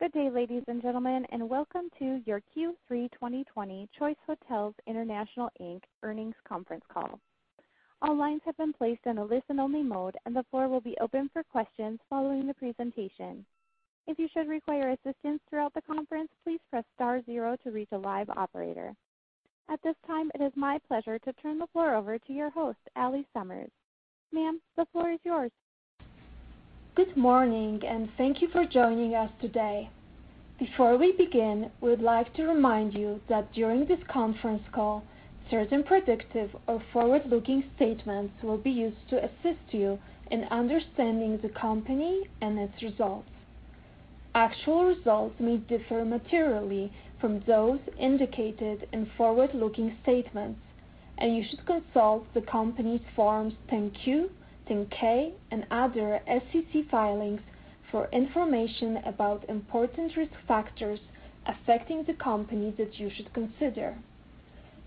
Good day, ladies and gentlemen, and welcome to your Q3 2020 Choice Hotels International, Inc. earnings conference call. All lines have been placed in a listen-only mode, and the floor will be open for questions following the presentation. If you should require assistance throughout the conference, please press star zero to reach a live operator. At this time, it is my pleasure to turn the floor over to your host, Allie Summers. Ma'am, the floor is yours. Good morning, and thank you for joining us today. Before we begin, we'd like to remind you that during this conference call, certain predictive or forward-looking statements will be used to assist you in understanding the company and its results. Actual results may differ materially from those indicated in forward-looking statements, and you should consult the company's Forms 10-Q, 10-K, and other SEC filings for information about important risk factors affecting the company that you should consider.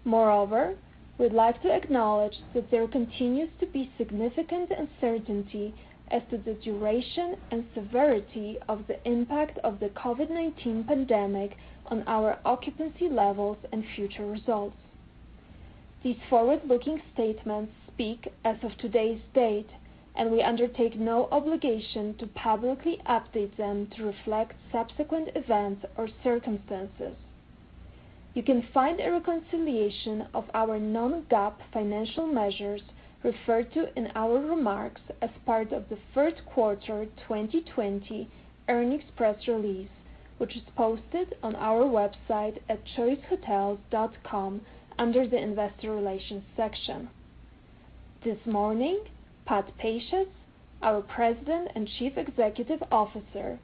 Moreover, we'd like to acknowledge that there continues to be significant uncertainty as to the duration and severity of the impact of the COVID-19 pandemic on our occupancy levels and future results. These forward-looking statements speak as of today's date, and we undertake no obligation to publicly update them to reflect subsequent events or circumstances. You can find a reconciliation of our non-GAAP financial measures referred to in our remarks as part of the third quarter 2020 earnings press release, which is posted on our website at choicehotels.com under the Investor Relations section. This morning, Pat Pacious, our President and Chief Executive Officer,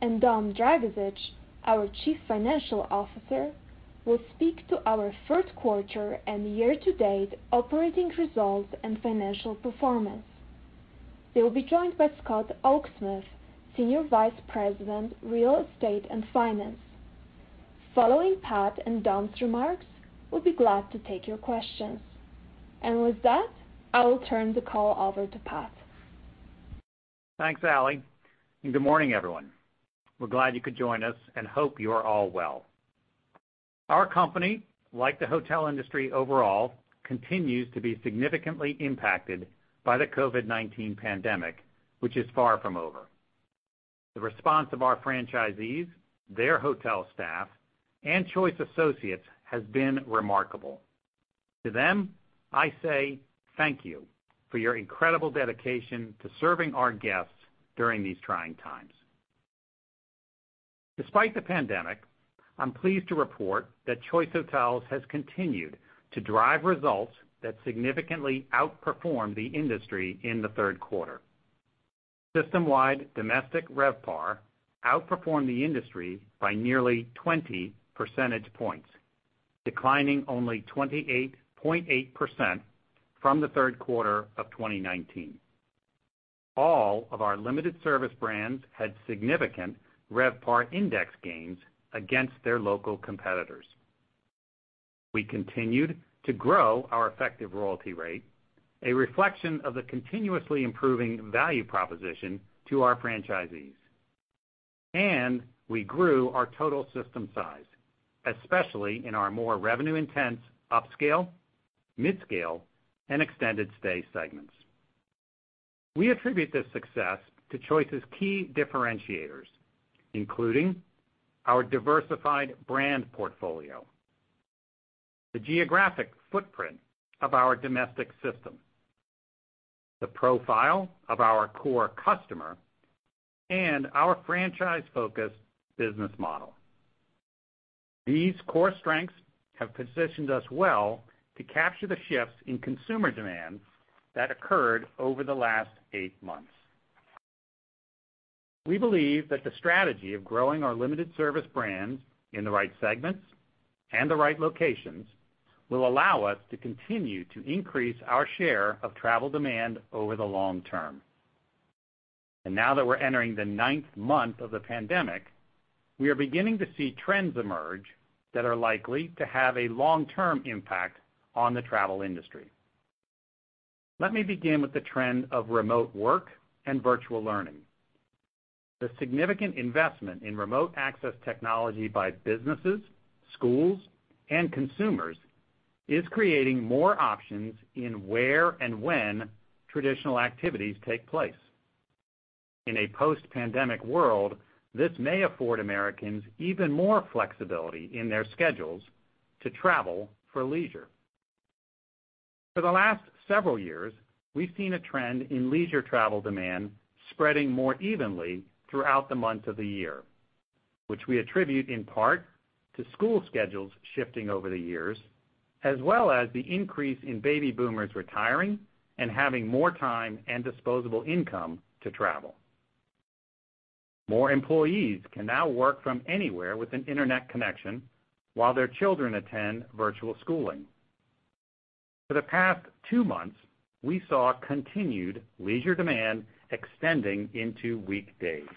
and Dom Dragisich, our Chief Financial Officer, will speak to our third quarter and year-to-date operating results and financial performance. They will be joined by Scott Oaksmith, Senior Vice President, Real Estate and Finance. Following Pat and Dom's remarks, we'll be glad to take your questions. With that, I will turn the call over to Pat. Thanks, Allie, and good morning, everyone. We're glad you could join us and hope you are all well. Our company, like the hotel industry overall, continues to be significantly impacted by the COVID-19 pandemic, which is far from over. The response of our franchisees, their hotel staff, and Choice associates has been remarkable. To them, I say thank you for your incredible dedication to serving our guests during these trying times. Despite the pandemic, I'm pleased to report that Choice Hotels has continued to drive results that significantly outperform the industry in the third quarter. System-wide domestic RevPAR outperformed the industry by nearly 20 percentage points, declining only 28.8% from the third quarter of 2019. All of our limited service brands had significant RevPAR index gains against their local competitors. We continued to grow our effective royalty rate, a reflection of the continuously improving value proposition to our franchisees. We grew our total system size, especially in our more revenue-intense, upscale, midscale, and extended stay segments. We attribute this success to Choice's key differentiators, including our diversified brand portfolio, the geographic footprint of our domestic system, the profile of our core customer, and our franchise-focused business model. These core strengths have positioned us well to capture the shifts in consumer demand that occurred over the last eight months. We believe that the strategy of growing our limited service brands in the right segments and the right locations will allow us to continue to increase our share of travel demand over the long term. Now that we're entering the ninth month of the pandemic, we are beginning to see trends emerge that are likely to have a long-term impact on the travel industry. Let me begin with the trend of remote work and virtual learning. The significant investment in remote access technology by businesses, schools, and consumers is creating more options in where and when traditional activities take place. In a post-pandemic world, this may afford Americans even more flexibility in their schedules to travel for leisure. For the last several years, we've seen a trend in leisure travel demand spreading more evenly throughout the month of the year, which we attribute in part to school schedules shifting over the years, as well as the increase in baby boomers retiring and having more time and disposable income to travel. More employees can now work from anywhere with an internet connection while their children attend virtual schooling. For the past two months, we saw continued leisure demand extending into weekdays.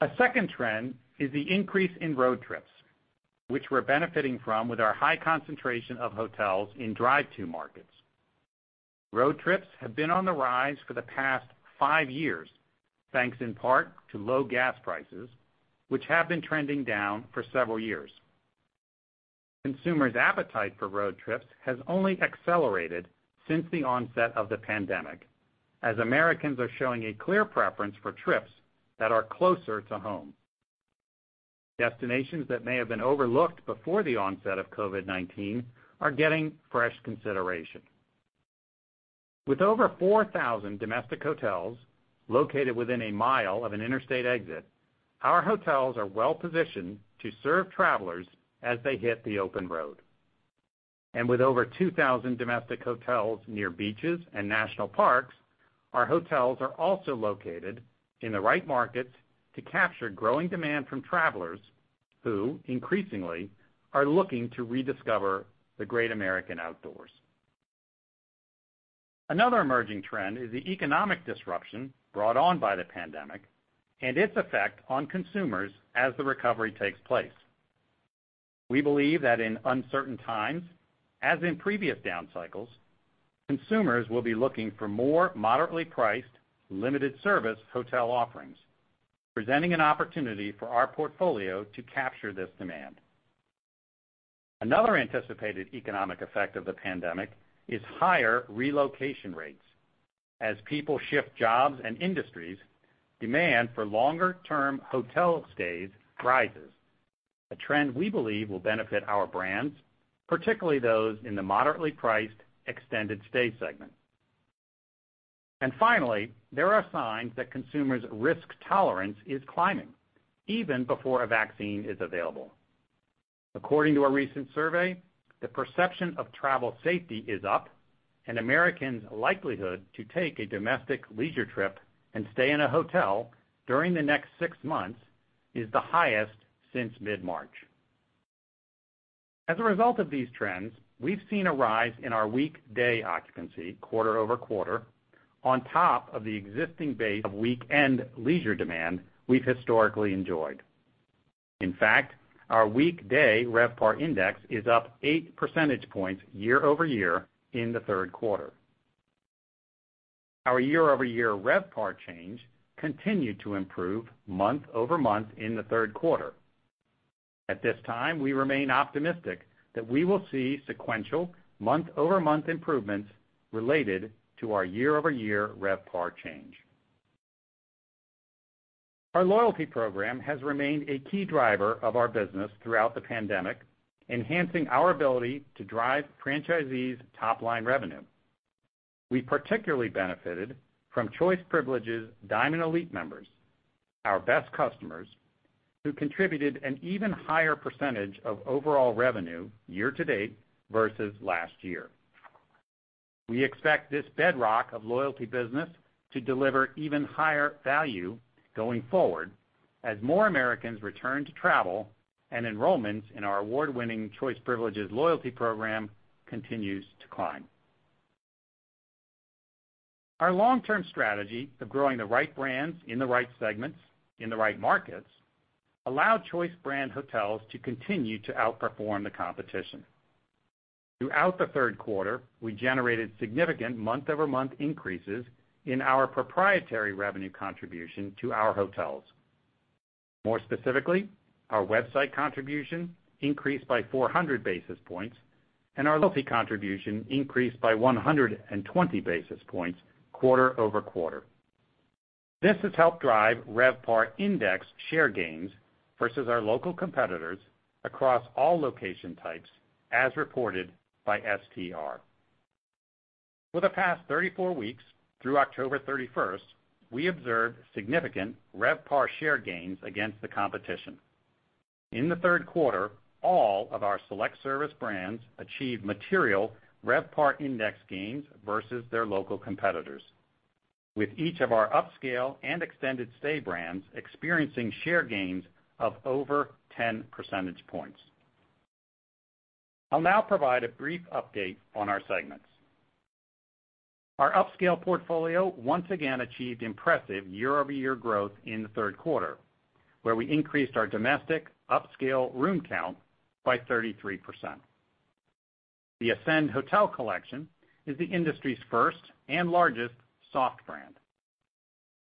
A second trend is the increase in road trips, which we're benefiting from with our high concentration of hotels in drive-to markets. Road trips have been on the rise for the past five years, thanks in part to low gas prices, which have been trending down for several years. Consumers' appetite for road trips has only accelerated since the onset of the pandemic, as Americans are showing a clear preference for trips that are closer to home. Destinations that may have been overlooked before the onset of COVID-19 are getting fresh consideration. With over 4,000 domestic hotels located within a mile of an interstate exit, our hotels are well-positioned to serve travelers as they hit the open road. And with over 2,000 domestic hotels near beaches and national parks, our hotels are also located in the right markets to capture growing demand from travelers who increasingly are looking to rediscover the great American outdoors. Another emerging trend is the economic disruption brought on by the pandemic and its effect on consumers as the recovery takes place. We believe that in uncertain times, as in previous down cycles, consumers will be looking for more moderately priced, limited service hotel offerings, presenting an opportunity for our portfolio to capture this demand. Another anticipated economic effect of the pandemic is higher relocation rates. As people shift jobs and industries, demand for longer-term hotel stays rises, a trend we believe will benefit our brands, particularly those in the moderately priced, extended stay segment. And finally, there are signs that consumers' risk tolerance is climbing even before a vaccine is available. According to a recent survey, the perception of travel safety is up, and Americans' likelihood to take a domestic leisure trip and stay in a hotel during the next six months is the highest since mid-March. As a result of these trends, we've seen a rise in our weekday occupancy quarter-over-quarter, on top of the existing base of weekend leisure demand we've historically enjoyed. In fact, our weekday RevPAR index is up eight percentage points year-over-year in the third quarter. Our year-over-year RevPAR change continued to improve month-over-month in the third quarter. At this time, we remain optimistic that we will see sequential month-over-month improvements related to our year-over-year RevPAR change. Our loyalty program has remained a key driver of our business throughout the pandemic, enhancing our ability to drive franchisees' top-line revenue. We particularly benefited from Choice Privileges Diamond Elite members, our best customers, who contributed an even higher percentage of overall revenue year to date versus last year. We expect this bedrock of loyalty business to deliver even higher value going forward, as more Americans return to travel and enrollments in our award-winning Choice Privileges loyalty program continues to climb. Our long-term strategy of growing the right brands in the right segments, in the right markets, allow Choice brand hotels to continue to outperform the competition. Throughout the third quarter, we generated significant month-over-month increases in our proprietary revenue contribution to our hotels. More specifically, our website contribution increased by 400 basis points, and our loyalty contribution increased by 120 basis points quarter over quarter. This has helped drive RevPAR Index share gains versus our local competitors across all location types, as reported by STR. For the past 34 weeks through October 31st, we observed significant RevPAR share gains against the competition. In the third quarter, all of our select service brands achieved material RevPAR index gains versus their local competitors, with each of our upscale and extended stay brands experiencing share gains of over 10 percentage points. I'll now provide a brief update on our segments. Our upscale portfolio once again achieved impressive year-over-year growth in the third quarter, where we increased our domestic upscale room count by 33%. The Ascend Hotel Collection is the industry's first and largest soft brand.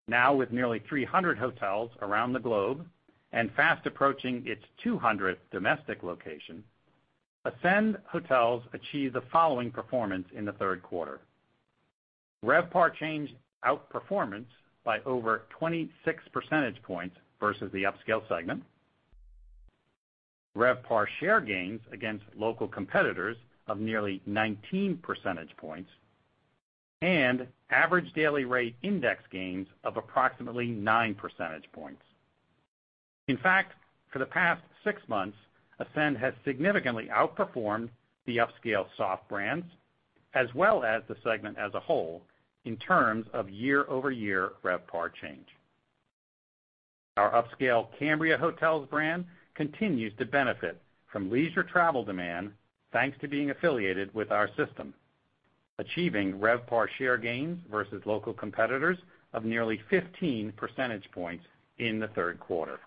Now, with nearly 300 hotels around the globe and fast approaching its 200th domestic location, Ascend hotels achieved the following performance in the third quarter. RevPAR change outperformance by over 26 percentage points versus the upscale segment, RevPAR share gains against local competitors of nearly 19 percentage points, and average daily rate index gains of approximately nine percentage points. In fact, for the past six months, Ascend has significantly outperformed the upscale soft brands, as well as the segment as a whole, in terms of year-over-year RevPAR change. Our upscale Cambria Hotels brand continues to benefit from leisure travel demand, thanks to being affiliated with our system, achieving RevPAR share gains versus local competitors of nearly 15 percentage points in the third quarter.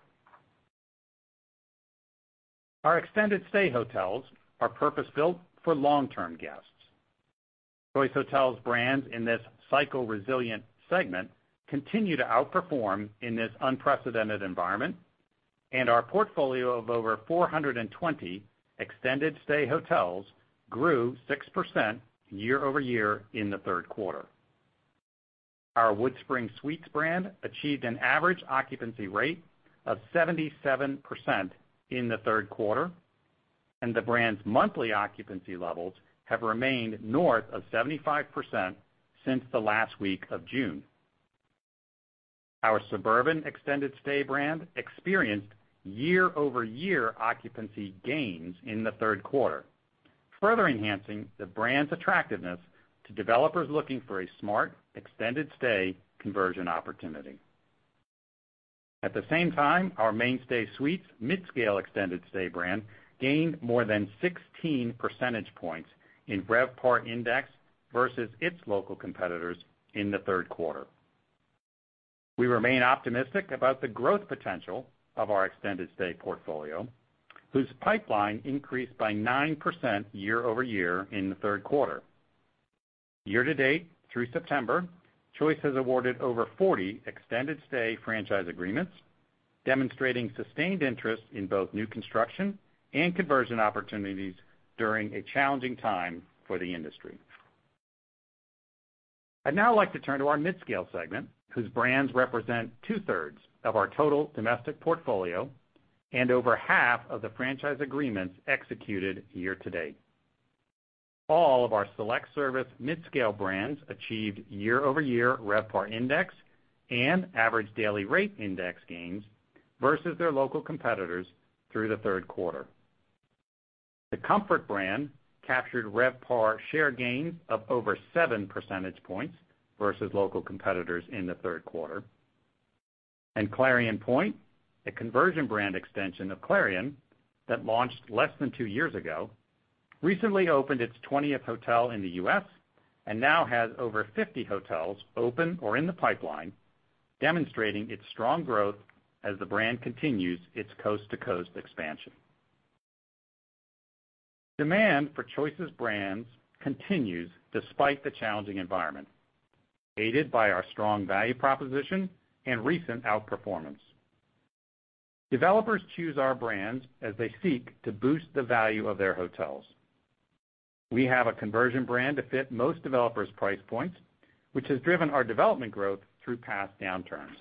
Our extended stay hotels are purpose-built for long-term guests. Choice Hotels brands in this cycle-resilient segment continue to outperform in this unprecedented environment, and our portfolio of over 420 extended stay hotels grew 6% year over year in the third quarter. Our WoodSpring Suites brand achieved an average occupancy rate of 77% in the third quarter, and the brand's monthly occupancy levels have remained north of 75% since the last week of June. Our Suburban Extended Stay brand experienced year-over-year occupancy gains in the third quarter, further enhancing the brand's attractiveness to developers looking for a smart extended stay conversion opportunity. At the same time, our MainStay Suites midscale extended stay brand gained more than 16 percentage points in RevPAR Index versus its local competitors in the third quarter. We remain optimistic about the growth potential of our extended stay portfolio, whose pipeline increased by 9% year-over-year in the third quarter. Year to date, through September, Choice has awarded over 40 extended stay franchise agreements, demonstrating sustained interest in both new construction and conversion opportunities during a challenging time for the industry. I'd now like to turn to our midscale segment, whose brands represent two-thirds of our total domestic portfolio and over half of the franchise agreements executed year to date. All of our select service midscale brands achieved year-over-year RevPAR index and average daily rate index gains versus their local competitors through the third quarter. The Comfort brand captured RevPAR share gains of over seven percentage points versus local competitors in the third quarter, and Clarion Pointe, a conversion brand extension of Clarion that launched less than two years ago, recently opened its 20th hotel in the U.S. and now has over 50 hotels open or in the pipeline, demonstrating its strong growth as the brand continues its coast-to-coast expansion. Demand for Choice's brands continues despite the challenging environment, aided by our strong value proposition and recent outperformance. Developers choose our brands as they seek to boost the value of their hotels. We have a conversion brand to fit most developers' price points, which has driven our development growth through past downturns.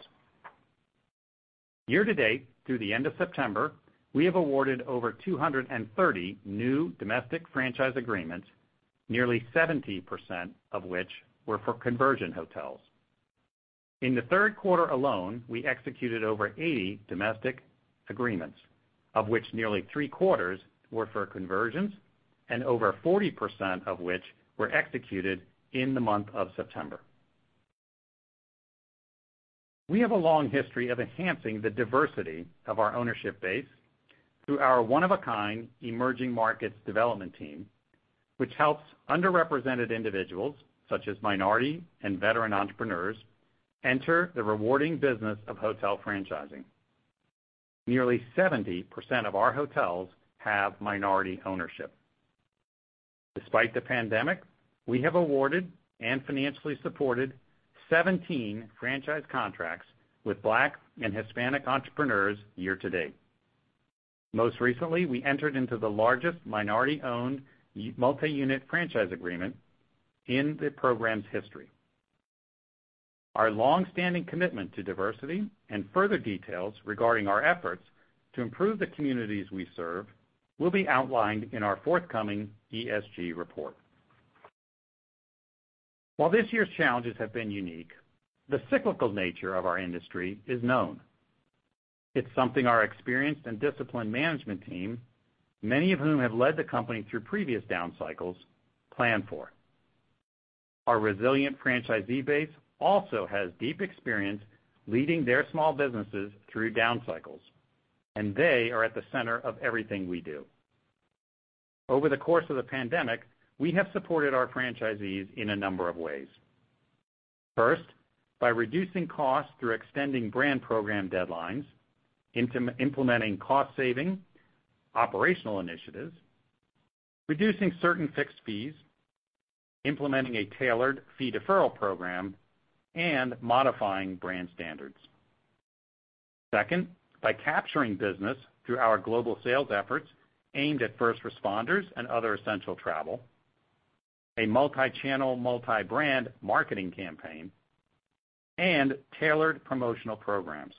Year to date, through the end of September, we have awarded over 230 new domestic franchise agreements, nearly 70% of which were for conversion hotels. In the third quarter alone, we executed over 80 domestic agreements, of which nearly three-quarters were for conversions and over 40% of which were executed in the month of September. We have a long history of enhancing the diversity of our ownership base through our one-of-a-kind emerging markets development team, which helps underrepresented individuals, such as minority and veteran entrepreneurs, enter the rewarding business of hotel franchising. Nearly 70% of our hotels have minority ownership. Despite the pandemic, we have awarded and financially supported 17 franchise contracts with Black and Hispanic entrepreneurs year to date. Most recently, we entered into the largest minority-owned multi-unit franchise agreement in the program's history. Our long-standing commitment to diversity and further details regarding our efforts to improve the communities we serve will be outlined in our forthcoming ESG report. While this year's challenges have been unique, the cyclical nature of our industry is known. It's something our experienced and disciplined management team, many of whom have led the company through previous down cycles, plan for. Our resilient franchisee base also has deep experience leading their small businesses through down cycles, and they are at the center of everything we do. Over the course of the pandemic, we have supported our franchisees in a number of ways. First, by reducing costs through extending brand program deadlines, implementing cost saving, operational initiatives, reducing certain fixed fees, implementing a tailored fee deferral program, and modifying brand standards. Second, by capturing business through our global sales efforts aimed at first responders and other essential travel, a multi-channel, multi-brand marketing campaign, and tailored promotional programs.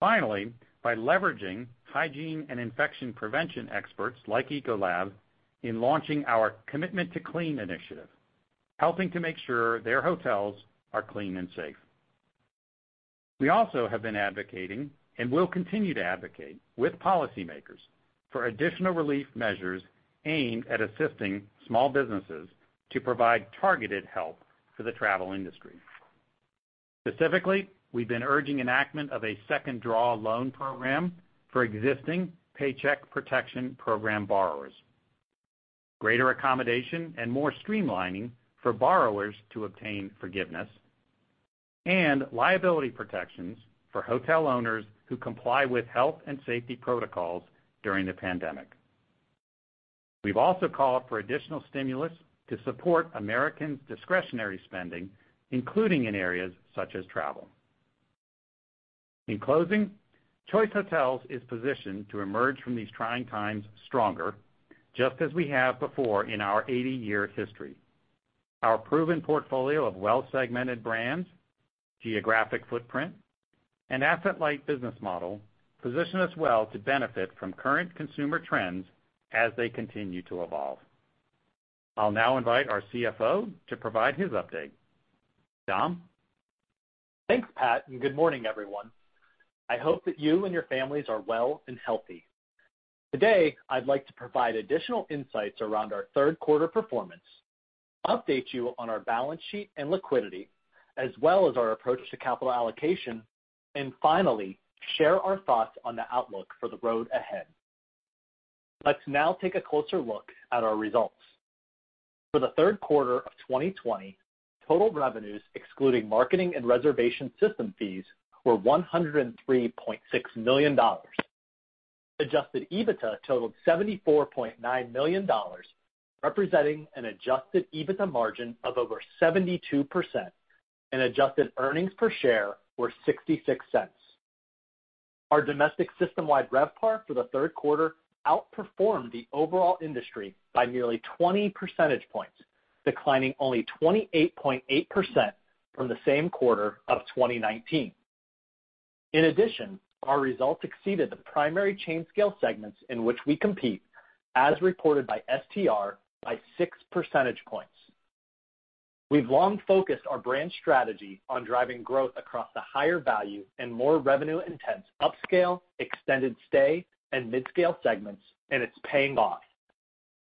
Finally, by leveraging hygiene and infection prevention experts like Ecolab in launching our Commitment to Clean initiative, helping to make sure their hotels are clean and safe. We also have been advocating, and will continue to advocate, with policymakers for additional relief measures aimed at assisting small businesses to provide targeted help for the travel industry. Specifically, we've been urging enactment of a second draw loan program for existing Paycheck Protection Program borrowers.... greater accommodation and more streamlining for borrowers to obtain forgiveness, and liability protections for hotel owners who comply with health and safety protocols during the pandemic. We've also called for additional stimulus to support American discretionary spending, including in areas such as travel. In closing, Choice Hotels is positioned to emerge from these trying times stronger, just as we have before in our eighty-year history. Our proven portfolio of well-segmented brands, geographic footprint, and asset-light business model position us well to benefit from current consumer trends as they continue to evolve. I'll now invite our CFO to provide his update. Dom? Thanks, Pat, and good morning, everyone. I hope that you and your families are well and healthy. Today, I'd like to provide additional insights around our third quarter performance, update you on our balance sheet and liquidity, as well as our approach to capital allocation, and finally, share our thoughts on the outlook for the road ahead. Let's now take a closer look at our results. For the third quarter of 2020, total revenues, excluding marketing and reservation system fees, were $103.6 million. Adjusted EBITDA totaled $74.9 million, representing an adjusted EBITDA margin of over 72%, and adjusted earnings per share were $0.66. Our domestic system-wide RevPAR for the third quarter outperformed the overall industry by nearly 20 percentage points, declining only 28.8% from the same quarter of 2019. In addition, our results exceeded the primary chain scale segments in which we compete, as reported by STR, by six percentage points. We've long focused our brand strategy on driving growth across the higher value and more revenue-intense upscale, extended stay, and midscale segments, and it's paying off.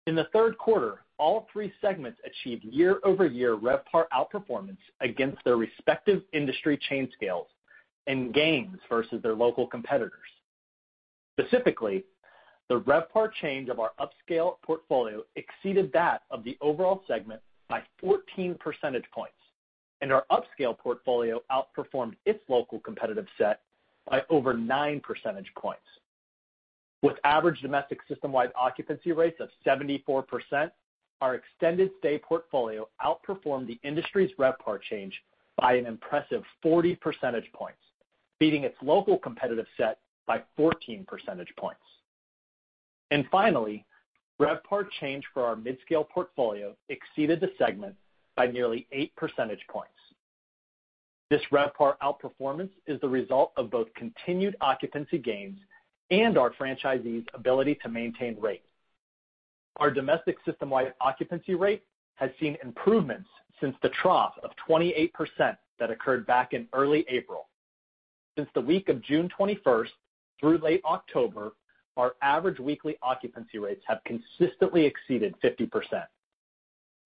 In the third quarter, all three segments achieved year-over-year RevPAR outperformance against their respective industry chain scales and gains versus their local competitors. Specifically, the RevPAR change of our upscale portfolio exceeded that of the overall segment by 14 percentage points, and our upscale portfolio outperformed its local competitive set by over 9 percentage points. With average domestic system-wide occupancy rates of 74%, our extended stay portfolio outperformed the industry's RevPAR change by an impressive 40 percentage points, beating its local competitive set by 14 percentage points. Finally, RevPAR change for our midscale portfolio exceeded the segment by nearly eight percentage points. This RevPAR outperformance is the result of both continued occupancy gains and our franchisees' ability to maintain rate. Our domestic system-wide occupancy rate has seen improvements since the trough of 28% that occurred back in early April. Since the week of June 21st through late October, our average weekly occupancy rates have consistently exceeded 50%.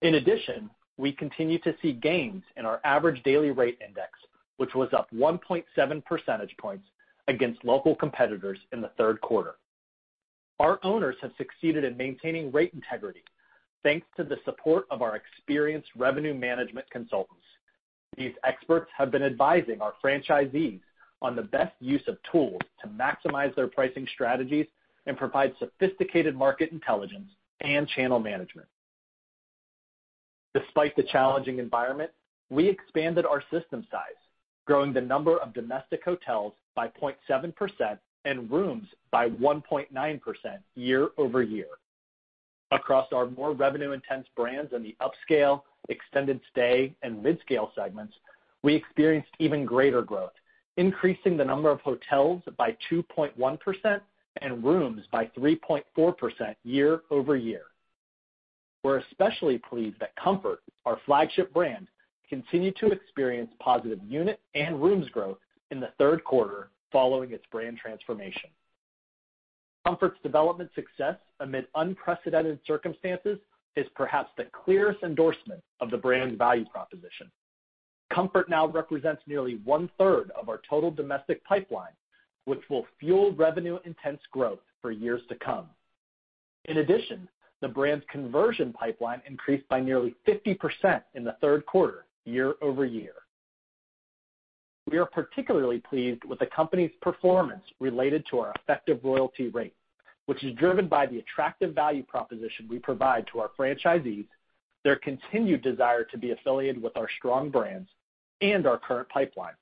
In addition, we continue to see gains in our average daily rate index, which was up 1.7 percentage points against local competitors in the third quarter. Our owners have succeeded in maintaining rate integrity, thanks to the support of our experienced revenue management consultants. These experts have been advising our franchisees on the best use of tools to maximize their pricing strategies and provide sophisticated market intelligence and channel management. Despite the challenging environment, we expanded our system size, growing the number of domestic hotels by 0.7% and rooms by 1.9% year-over-year. Across our more revenue-intense brands in the upscale, extended stay, and midscale segments, we experienced even greater growth, increasing the number of hotels by 2.1% and rooms by 3.4% year-over-year. We're especially pleased that Comfort, our flagship brand, continued to experience positive unit and rooms growth in the third quarter following its brand transformation. Comfort's development success amid unprecedented circumstances is perhaps the clearest endorsement of the brand's value proposition. Comfort now represents nearly one-third of our total domestic pipeline, which will fuel revenue-intense growth for years to come. In addition, the brand's conversion pipeline increased by nearly 50% in the third quarter, year-over-year. We are particularly pleased with the company's performance related to our effective royalty rate, which is driven by the attractive value proposition we provide to our franchisees, their continued desire to be affiliated with our strong brands, and our current pipeline.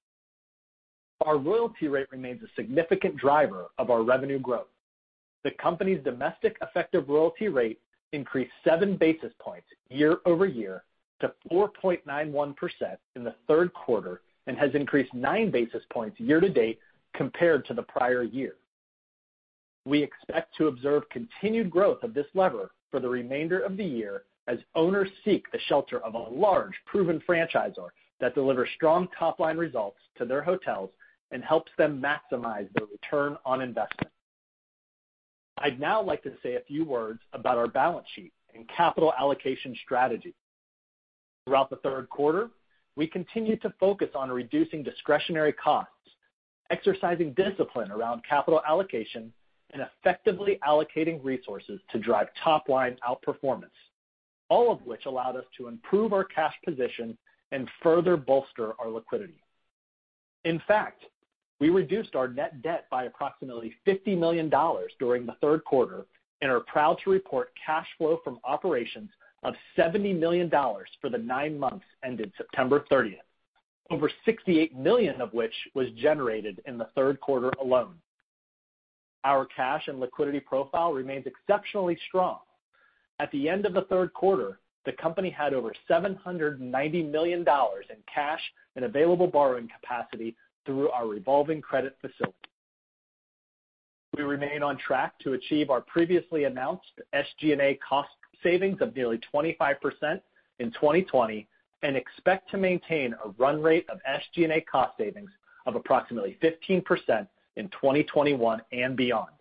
Our royalty rate remains a significant driver of our revenue growth. The company's domestic effective royalty rate increased seven basis points year-over-year to 4.91% in the third quarter, and has increased 9 basis points year to date compared to the prior year. We expect to observe continued growth of this lever for the remainder of the year as owners seek the shelter of a large, proven franchisor that delivers strong top-line results to their hotels and helps them maximize their return on investment. I'd now like to say a few words about our balance sheet and capital allocation strategy. Throughout the third quarter, we continued to focus on reducing discretionary costs, exercising discipline around capital allocation, and effectively allocating resources to drive top line outperformance, all of which allowed us to improve our cash position and further bolster our liquidity. In fact, we reduced our net debt by approximately $50 million during the third quarter, and are proud to report cash flow from operations of $70 million for the nine months ended September 30. Over $68 million of which was generated in the third quarter alone. Our cash and liquidity profile remains exceptionally strong. At the end of the third quarter, the company had over $790 million in cash and available borrowing capacity through our revolving credit facility. We remain on track to achieve our previously announced SG&A cost savings of nearly 25% in 2020, and expect to maintain a run rate of SG&A cost savings of approximately 15% in 2021 and beyond.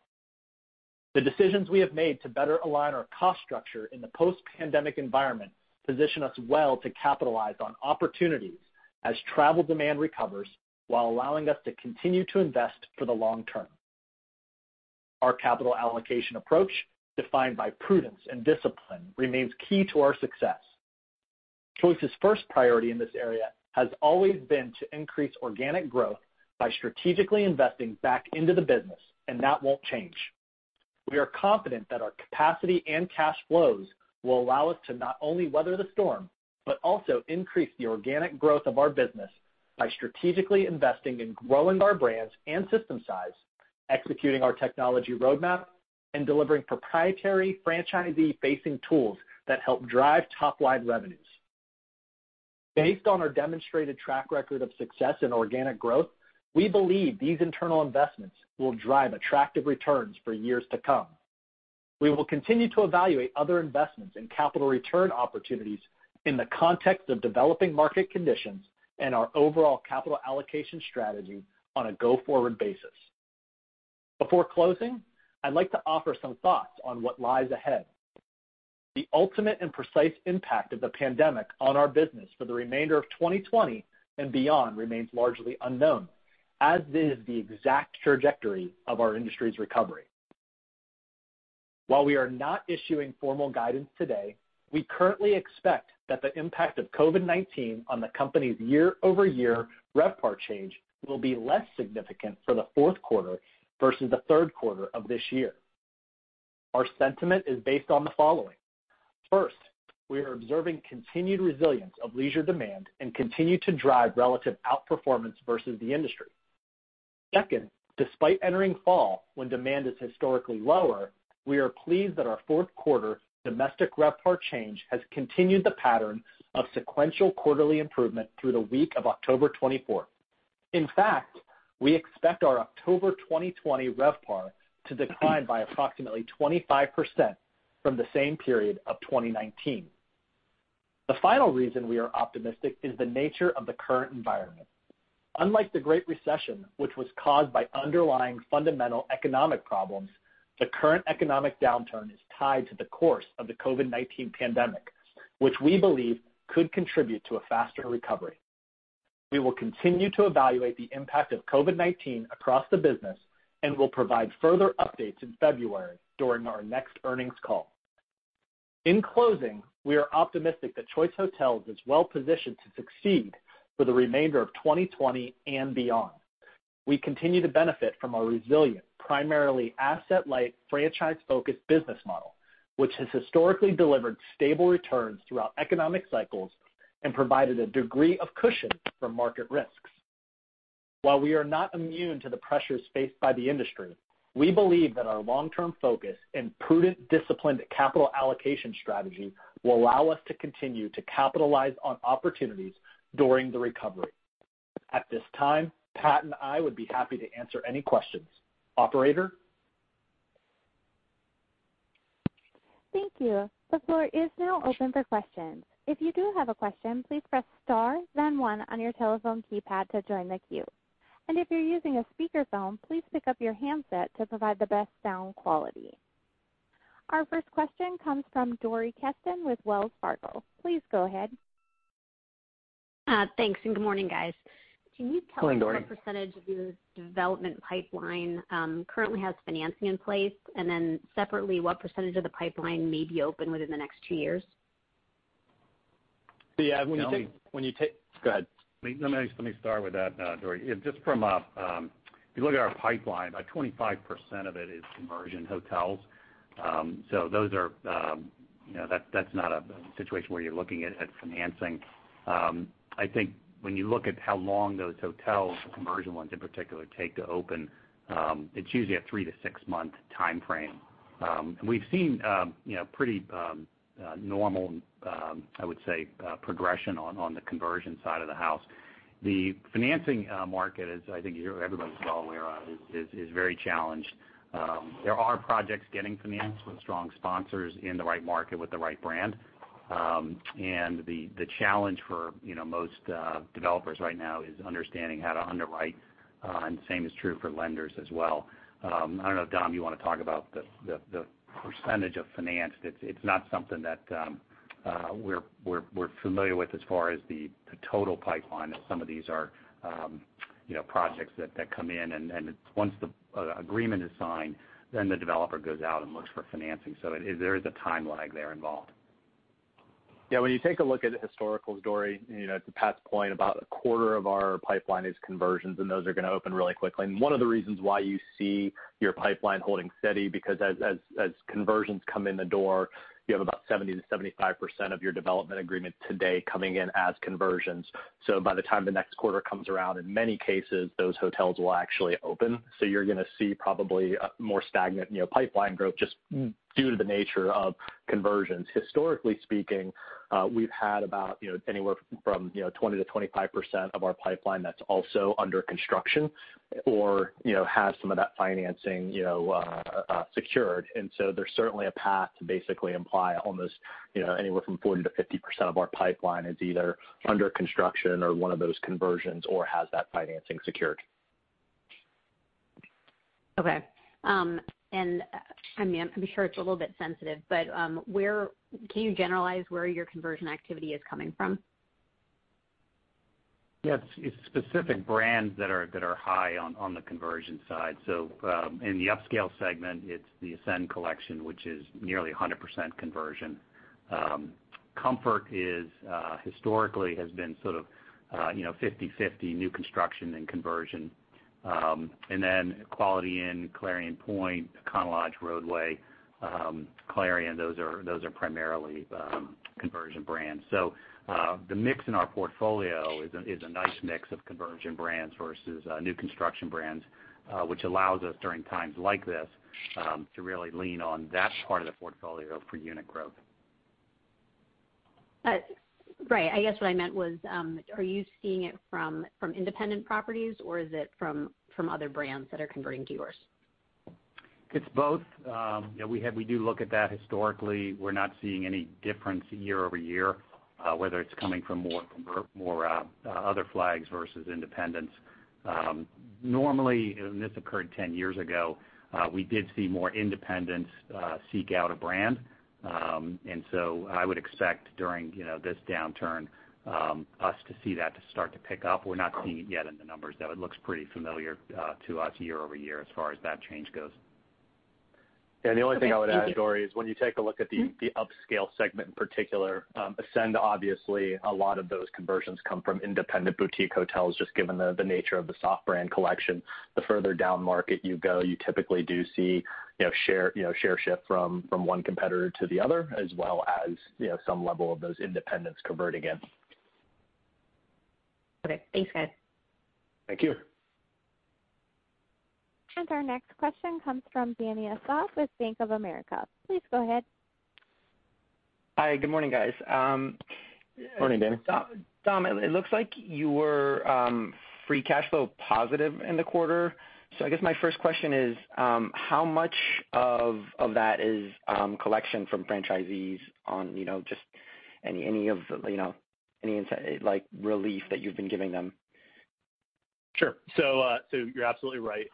The decisions we have made to better align our cost structure in the post-pandemic environment position us well to capitalize on opportunities as travel demand recovers, while allowing us to continue to invest for the long-term. Our capital allocation approach, defined by prudence and discipline, remains key to our success. Choice's first priority in this area has always been to increase organic growth by strategically investing back into the business, and that won't change. We are confident that our capacity and cash flows will allow us to not only weather the storm, but also increase the organic growth of our business by strategically investing in growing our brands and system size, executing our technology roadmap, and delivering proprietary franchisee-facing tools that help drive top line revenues. Based on our demonstrated track record of success in organic growth, we believe these internal investments will drive attractive returns for years to come. We will continue to evaluate other investments and capital return opportunities in the context of developing market conditions and our overall capital allocation strategy on a go-forward basis. Before closing, I'd like to offer some thoughts on what lies ahead. The ultimate and precise impact of the pandemic on our business for the remainder of 2020 and beyond remains largely unknown, as is the exact trajectory of our industry's recovery. While we are not issuing formal guidance today, we currently expect that the impact of COVID-19 on the company's year-over-year RevPAR change will be less significant for the fourth quarter versus the third quarter of this year. Our sentiment is based on the following: First, we are observing continued resilience of leisure demand and continue to drive relative outperformance versus the industry. Second, despite entering fall, when demand is historically lower, we are pleased that our fourth quarter domestic RevPAR change has continued the pattern of sequential quarterly improvement through the week of October twenty-fourth. In fact, we expect our October 2020 RevPAR to decline by approximately 25% from the same period of 2019. The final reason we are optimistic is the nature of the current environment. Unlike the Great Recession, which was caused by underlying fundamental economic problems, the current economic downturn is tied to the course of the COVID-19 pandemic, which we believe could contribute to a faster recovery. We will continue to evaluate the impact of COVID-19 across the business and will provide further updates in February during our next earnings call. In closing, we are optimistic that Choice Hotels is well positioned to succeed for the remainder of 2020 and beyond. We continue to benefit from our resilient, primarily asset-light, franchise-focused business model, which has historically delivered stable returns throughout economic cycles and provided a degree of cushion from market risks. While we are not immune to the pressures faced by the industry, we believe that our long-term focus and prudent, disciplined capital allocation strategy will allow us to continue to capitalize on opportunities during the recovery. At this time, Pat and I would be happy to answer any questions. Operator? Thank you. The floor is now open for questions. If you do have a question, please press star then one on your telephone keypad to join the queue. And if you're using a speakerphone, please pick up your handset to provide the best sound quality. Our first question comes from Dori Kesten with Wells Fargo. Please go ahead. Thanks, and good morning, guys. Good morning, Dori. Can you tell us what percentage of your development pipeline currently has financing in place? And then separately, what percentage of the pipeline may be open within the next two years? Yeah, when you take. Go ahead. Let me, let me start with that, Dori. Just from a, if you look at our pipeline, about 25% of it is conversion hotels. So those are, you know, that, that's not a situation where you're looking at, at financing. I think when you look at how long those hotels, conversion ones in particular, take to open, it's usually a three-six-month timeframe. And we've seen, you know, pretty, normal, I would say, progression on, on the conversion side of the house. The financing market, as I think you hear everybody talk, is very challenged. There are projects getting financed with strong sponsors in the right market with the right brand. And the challenge for, you know, most developers right now is understanding how to underwrite, and same is true for lenders as well. I don't know, Dom. You want to talk about the percentage of financed? It's not something that we're familiar with as far as the total pipeline, as some of these are, you know, projects that come in, and once the agreement is signed, then the developer goes out and looks for financing. So it is - there is a time lag there involved. Yeah, when you take a look at the historical, Dori, you know, to Pat's point, about a quarter of our pipeline is conversions, and those are going to open really quickly. And one of the reasons why you see your pipeline holding steady, because as conversions come in the door, you have about 70%-75% of your development agreement today coming in as conversions. So by the time the next quarter comes around, in many cases, those hotels will actually open. So you're gonna see probably a more stagnant, you know, pipeline growth, just due to the nature of conversions. Historically speaking, we've had about, you know, anywhere from, you know, 20%-25% of our pipeline that's also under construction or, you know, has some of that financing, you know, secured. And so there's certainly a path to basically imply almost, you know, anywhere from 40%-50% of our pipeline is either under construction or one of those conversions or has that financing secured. Okay. I mean, I'm sure it's a little bit sensitive, but where can you generalize where your conversion activity is coming from? Yes, it's specific brands that are high on the conversion side. So, in the upscale segment, it's the Ascend Collection, which is nearly 100% conversion. Comfort is historically has been sort of, you know, 50/50, new construction and conversion. And then Quality Inn, Clarion Pointe, Econo Lodge, Rodeway, Clarion, those are primarily conversion brands. So, the mix in our portfolio is a nice mix of conversion brands versus new construction brands, which allows us, during times like this, to really lean on that part of the portfolio for unit growth. Right. I guess what I meant was, are you seeing it from, from independent properties, or is it from, from other brands that are converting to yours? It's both. You know, we have, we do look at that historically. We're not seeing any difference year-over-year, whether it's coming from more conver- more, other flags versus independents. Normally, and this occurred 10 years ago, we did see more independents seek out a brand. I would expect during, you know, this downturn, us to see that to start to pick up. We're not seeing it yet in the numbers, though it looks pretty familiar to us year-over-year as far as that change goes. The only thing I would add, Dori, is when you take a look at the- Mm-hmm... the upscale segment in particular, Ascend, obviously, a lot of those conversions come from independent boutique hotels, just given the nature of the soft brand collection. The further down market you go, you typically do see, you know, share shift from one competitor to the other, as well as, you know, some level of those independents converting in. Okay. Thanks, guys. Thank you. Our next question comes from Dany Asad with Bank of America. Please go ahead. Hi, good morning, guys. Morning, Dany. Dom, it looks like you were free cash flow positive in the quarter. So I guess my first question is, how much of that is collection from franchisees on, you know, just any of, you know, any like relief that you've been giving them? Sure. So, so you're absolutely right.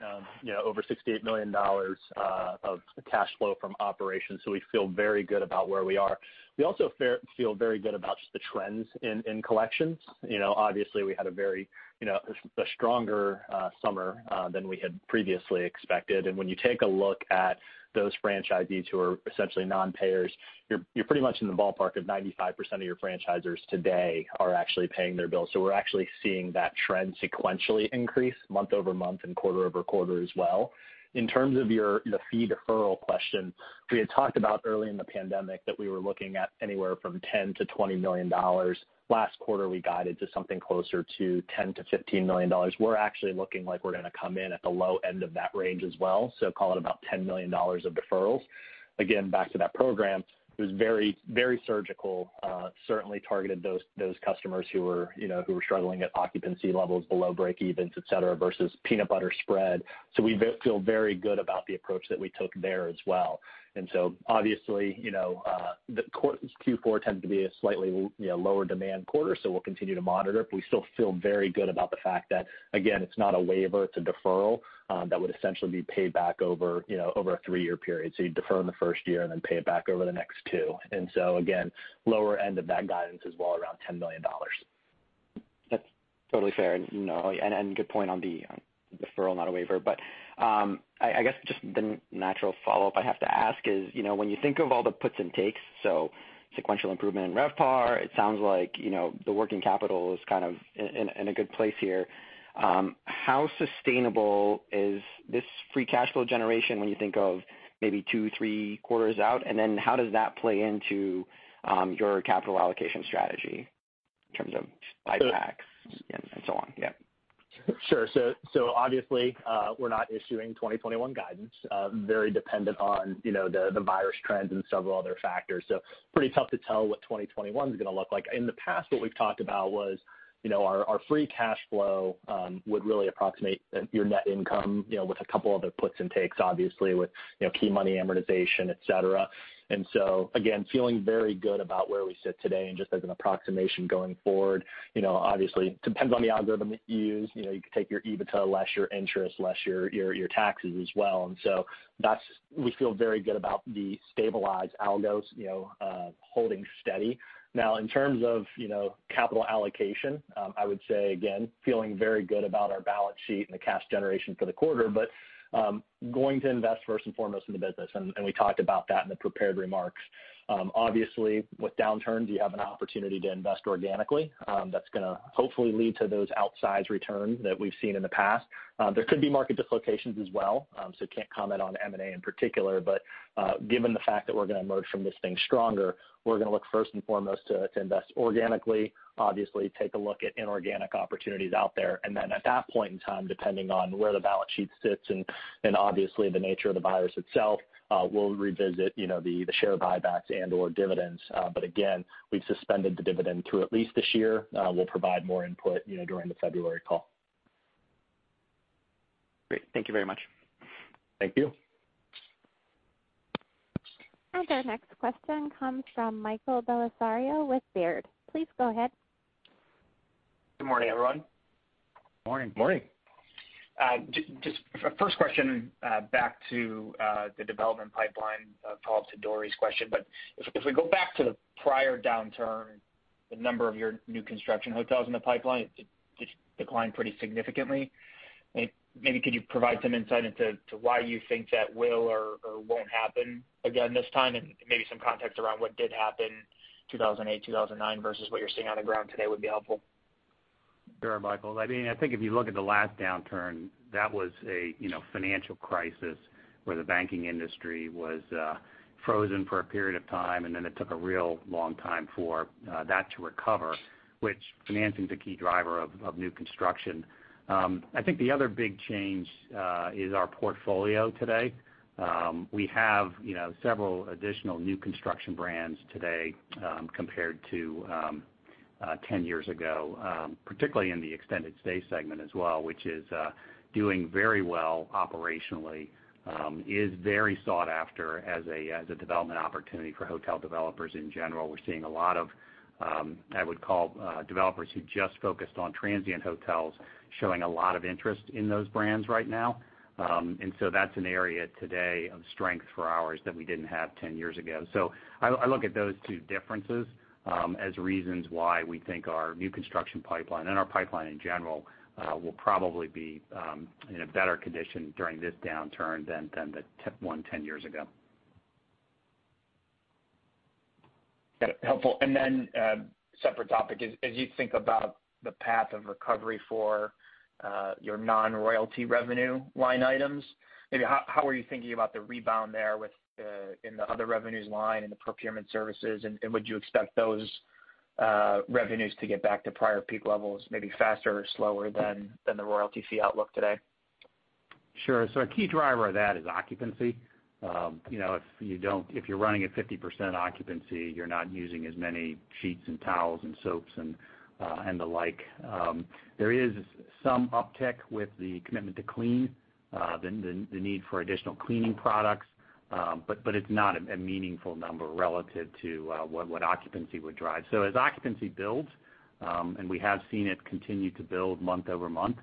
You know, over $68 million of cash flow from operations, so we feel very good about where we are. We also feel very good about the trends in collections. You know, obviously, we had a very, you know, a stronger summer than we had previously expected. And when you take a look at those franchisees who are essentially non-payers, you're pretty much in the ballpark of 95% of your franchisees today are actually paying their bills. So we're actually seeing that trend sequentially increase month-over-month and quarter-over-quarter as well. In terms of your, the fee deferral question, we had talked about early in the pandemic that we were looking at anywhere from $10-$20 million. Last quarter, we guided to something closer to $10-$15 million. We're actually looking like we're gonna come in at the low end of that range as well, so call it about $10 million of deferrals. Again, back to that program, it was very, very surgical, certainly targeted those customers who were, you know, who were struggling at occupancy levels below breakevens, et cetera, versus peanut butter spread. So we feel very good about the approach that we took there as well. And so obviously, you know, the Q4 tends to be a slightly, you know, lower demand quarter, so we'll continue to monitor it. But we still feel very good about the fact that, again, it's not a waiver, it's a deferral, that would essentially be paid back over, you know, over a three-year period. You defer in the first year and then pay it back over the next two. So again, lower end of that guidance as well, around $10 million. That's totally fair. No, and good point on the deferral, not a waiver. But I guess just the natural follow-up I have to ask is, you know, when you think of all the puts and takes, so sequential improvement in RevPAR, it sounds like, you know, the working capital is kind of in a good place here. How sustainable is this free cash flow generation when you think of maybe two, three quarters out? And then how does that play into your capital allocation strategy?... in terms of buybacks and so on, yeah. Sure. So obviously, we're not issuing 2021 guidance, very dependent on, you know, the virus trends and several other factors. So pretty tough to tell what 2021 is going to look like. In the past, what we've talked about was, you know, our free cash flow would really approximate your net income, you know, with a couple other puts and takes, obviously, with, you know, key money amortization, et cetera. And so again, feeling very good about where we sit today and just as an approximation going forward, you know, obviously, it depends on the algorithm that you use. You know, you could take your EBITDA, less your interest, less your taxes as well. And so that's. We feel very good about the stabilized algos, you know, holding steady. Now, in terms of, you know, capital allocation, I would say, again, feeling very good about our balance sheet and the cash generation for the quarter, but going to invest first and foremost in the business, and we talked about that in the prepared remarks. Obviously, with downturns, you have an opportunity to invest organically, that's going to hopefully lead to those outsized returns that we've seen in the past. There could be market dislocations as well, so can't comment on M&A in particular, but given the fact that we're going to emerge from this thing stronger, we're going to look first and foremost to invest organically. Obviously, take a look at inorganic opportunities out there, and then at that point in time, depending on where the balance sheet sits and obviously, the nature of the virus itself, we'll revisit, you know, the share buybacks and/or dividends. But again, we've suspended the dividend through at least this year. We'll provide more input, you know, during the February call. Great. Thank you very much. Thank you. Our next question comes from Michael Bellisario with Baird. Please go ahead. Good morning, everyone. Morning. Morning. Just first question, back to the development pipeline, a follow-up to Dori's question. But if we go back to the prior downturn, the number of your new construction hotels in the pipeline declined pretty significantly. Maybe could you provide some insight into why you think that will or won't happen again this time? And maybe some context around what did happen 2008, 2009 versus what you're seeing on the ground today would be helpful. Sure, Michael. I mean, I think if you look at the last downturn, that was a, you know, financial crisis where the banking industry was frozen for a period of time, and then it took a real long time for that to recover, which financing is a key driver of new construction. I think the other big change is our portfolio today. We have, you know, several additional new construction brands today, compared to ten years ago, particularly in the extended stay segment as well, which is doing very well operationally. Is very sought after as a development opportunity for hotel developers in general. We're seeing a lot of I would call developers who just focused on transient hotels, showing a lot of interest in those brands right now. And so that's an area today of strength for ours that we didn't have 10 years ago. So I look at those two differences as reasons why we think our new construction pipeline and our pipeline in general will probably be in a better condition during this downturn than the one 10 years ago. Got it. Helpful. And then, separate topic, as you think about the path of recovery for your non-royalty revenue line items, maybe how are you thinking about the rebound there with in the other revenues line, in the procurement services, and would you expect those revenues to get back to prior peak levels, maybe faster or slower than the royalty fee outlook today? Sure. So a key driver of that is occupancy. You know, if you're running at 50% occupancy, you're not using as many sheets and towels and soaps and, and the like. There is some uptick with the Commitment to Clean, the need for additional cleaning products, but it's not a meaningful number relative to, what occupancy would drive. So as occupancy builds, and we have seen it continue to build month-over-month,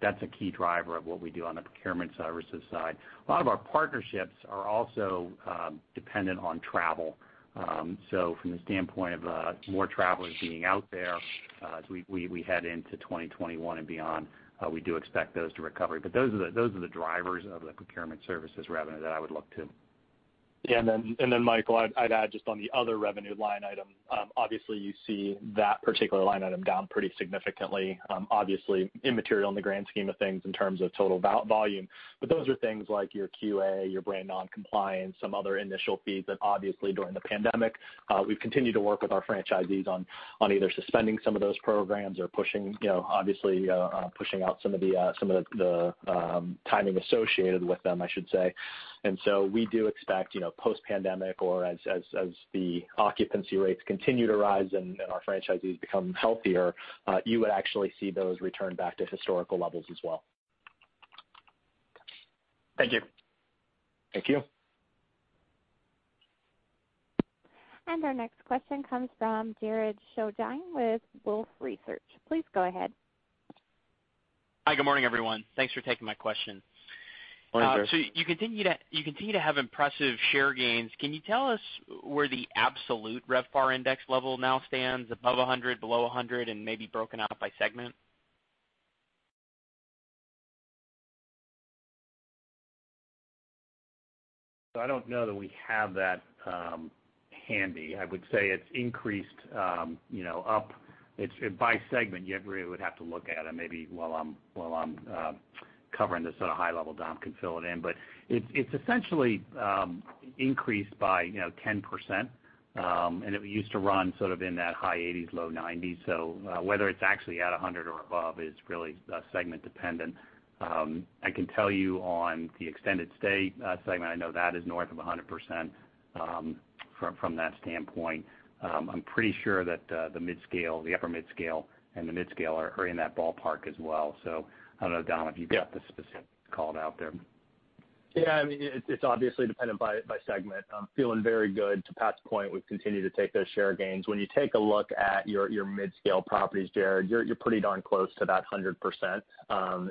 that's a key driver of what we do on the procurement services side. A lot of our partnerships are also, dependent on travel. So from the standpoint of, more travelers being out there, as we head into 2021 and beyond, we do expect those to recover. But those are the drivers of the procurement services revenue that I would look to. Yeah, and then, Michael, I'd add just on the other revenue line item, obviously you see that particular line item down pretty significantly. Obviously, immaterial in the grand scheme of things in terms of total volume, but those are things like your QA, your brand non-compliance, some other initial fees that obviously during the pandemic, we've continued to work with our franchisees on either suspending some of those programs or pushing, you know, obviously, pushing out some of the timing associated with them, I should say. And so we do expect, you know, post-pandemic or as the occupancy rates continue to rise and our franchisees become healthier, you would actually see those return back to historical levels as well. Thank you. Thank you. Our next question comes from Jared Shojaian with Wolfe Research. Please go ahead. Hi, good morning, everyone. Thanks for taking my question. Morning. So you continue to have impressive share gains. Can you tell us where the absolute RevPAR index level now stands, above 100, below 100, and maybe broken out by segment? So I don't know that we have that handy. I would say it's increased, you know, up. It's, by segment, you really would have to look at it maybe while I'm covering this on a high level, Dom can fill it in. But it's essentially increased by, you know, 10%, and it used to run sort of in that high 80s, low 90s. So, whether it's actually at 100 or above is really segment dependent. I can tell you on the Extended Stay segment, I know that is north of 100%, from that standpoint. I'm pretty sure that the midscale, the upper midscale and the midscale are in that ballpark as well. So I don't know, Dom, if you've got the specific call out there. Yeah, I mean, it, it's obviously dependent by, by segment. I'm feeling very good. To Pat's point, we've continued to take those share gains. When you take a look at your, your midscale properties, Jared, you're, you're pretty darn close to that 100%,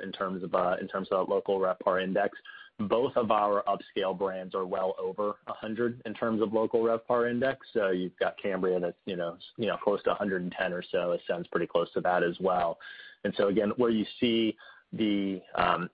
in terms of local RevPAR Index. Both of our upscale brands are well over a 100 in terms of local RevPAR Index. So you've got Cambria that's, you know, you know, close to 110 or so. Ascend's pretty close to that as well. And so again, where you see the, the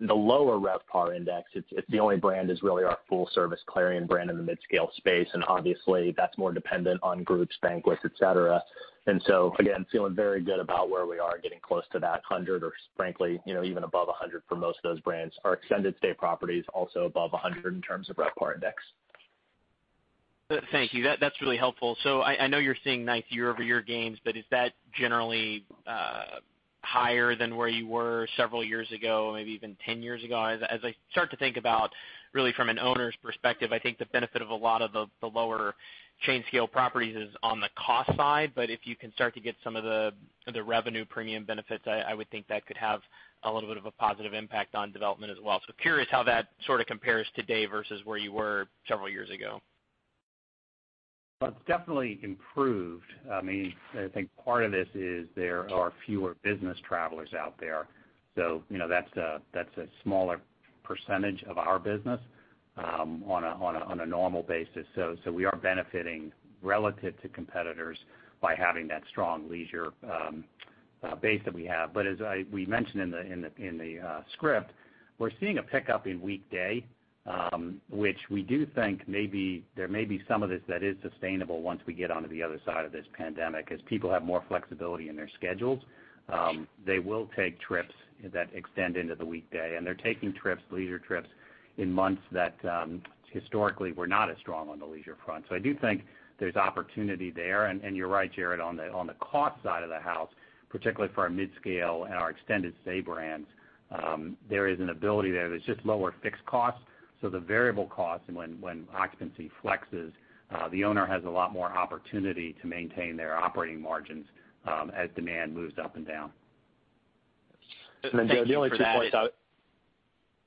lower RevPAR Index, it's, it's the only brand is really our full service Clarion brand in the midscale space, and obviously, that's more dependent on groups, banquets, et cetera. And so again, feeling very good about where we are getting close to 100, or frankly, you know, even above 100 for most of those brands. Our Extended Stay properties also above 100 in terms of RevPAR Index. Thank you. That, that's really helpful. So I, I know you're seeing nice year-over-year gains, but is that generally higher than where you were several years ago, maybe even 10 years ago? As I, as I start to think about, really from an owner's perspective, I think the benefit of a lot of the, the lower chain scale properties is on the cost side. But if you can start to get some of the, the revenue premium benefits, I, I would think that could have a little bit of a positive impact on development as well. So curious how that sort of compares today versus where you were several years ago. Well, it's definitely improved. I mean, I think part of this is there are fewer business travelers out there. So, you know, that's a smaller percentage of our business on a normal basis. So we are benefiting relative to competitors by having that strong leisure base that we have. But as we mentioned in the script, we're seeing a pickup in weekday, which we do think may be, there may be some of this that is sustainable once we get onto the other side of this pandemic. As people have more flexibility in their schedules, they will take trips that extend into the weekday, and they're taking trips, leisure trips, in months that historically were not as strong on the leisure front. So I do think there's opportunity there. You're right, Jared, on the cost side of the house, particularly for our midscale and our Extended Stay brands, there is an ability there. There's just lower fixed costs, so the variable costs and when occupancy flexes, the owner has a lot more opportunity to maintain their operating margins, as demand moves up and down. Thank you for that- The only two points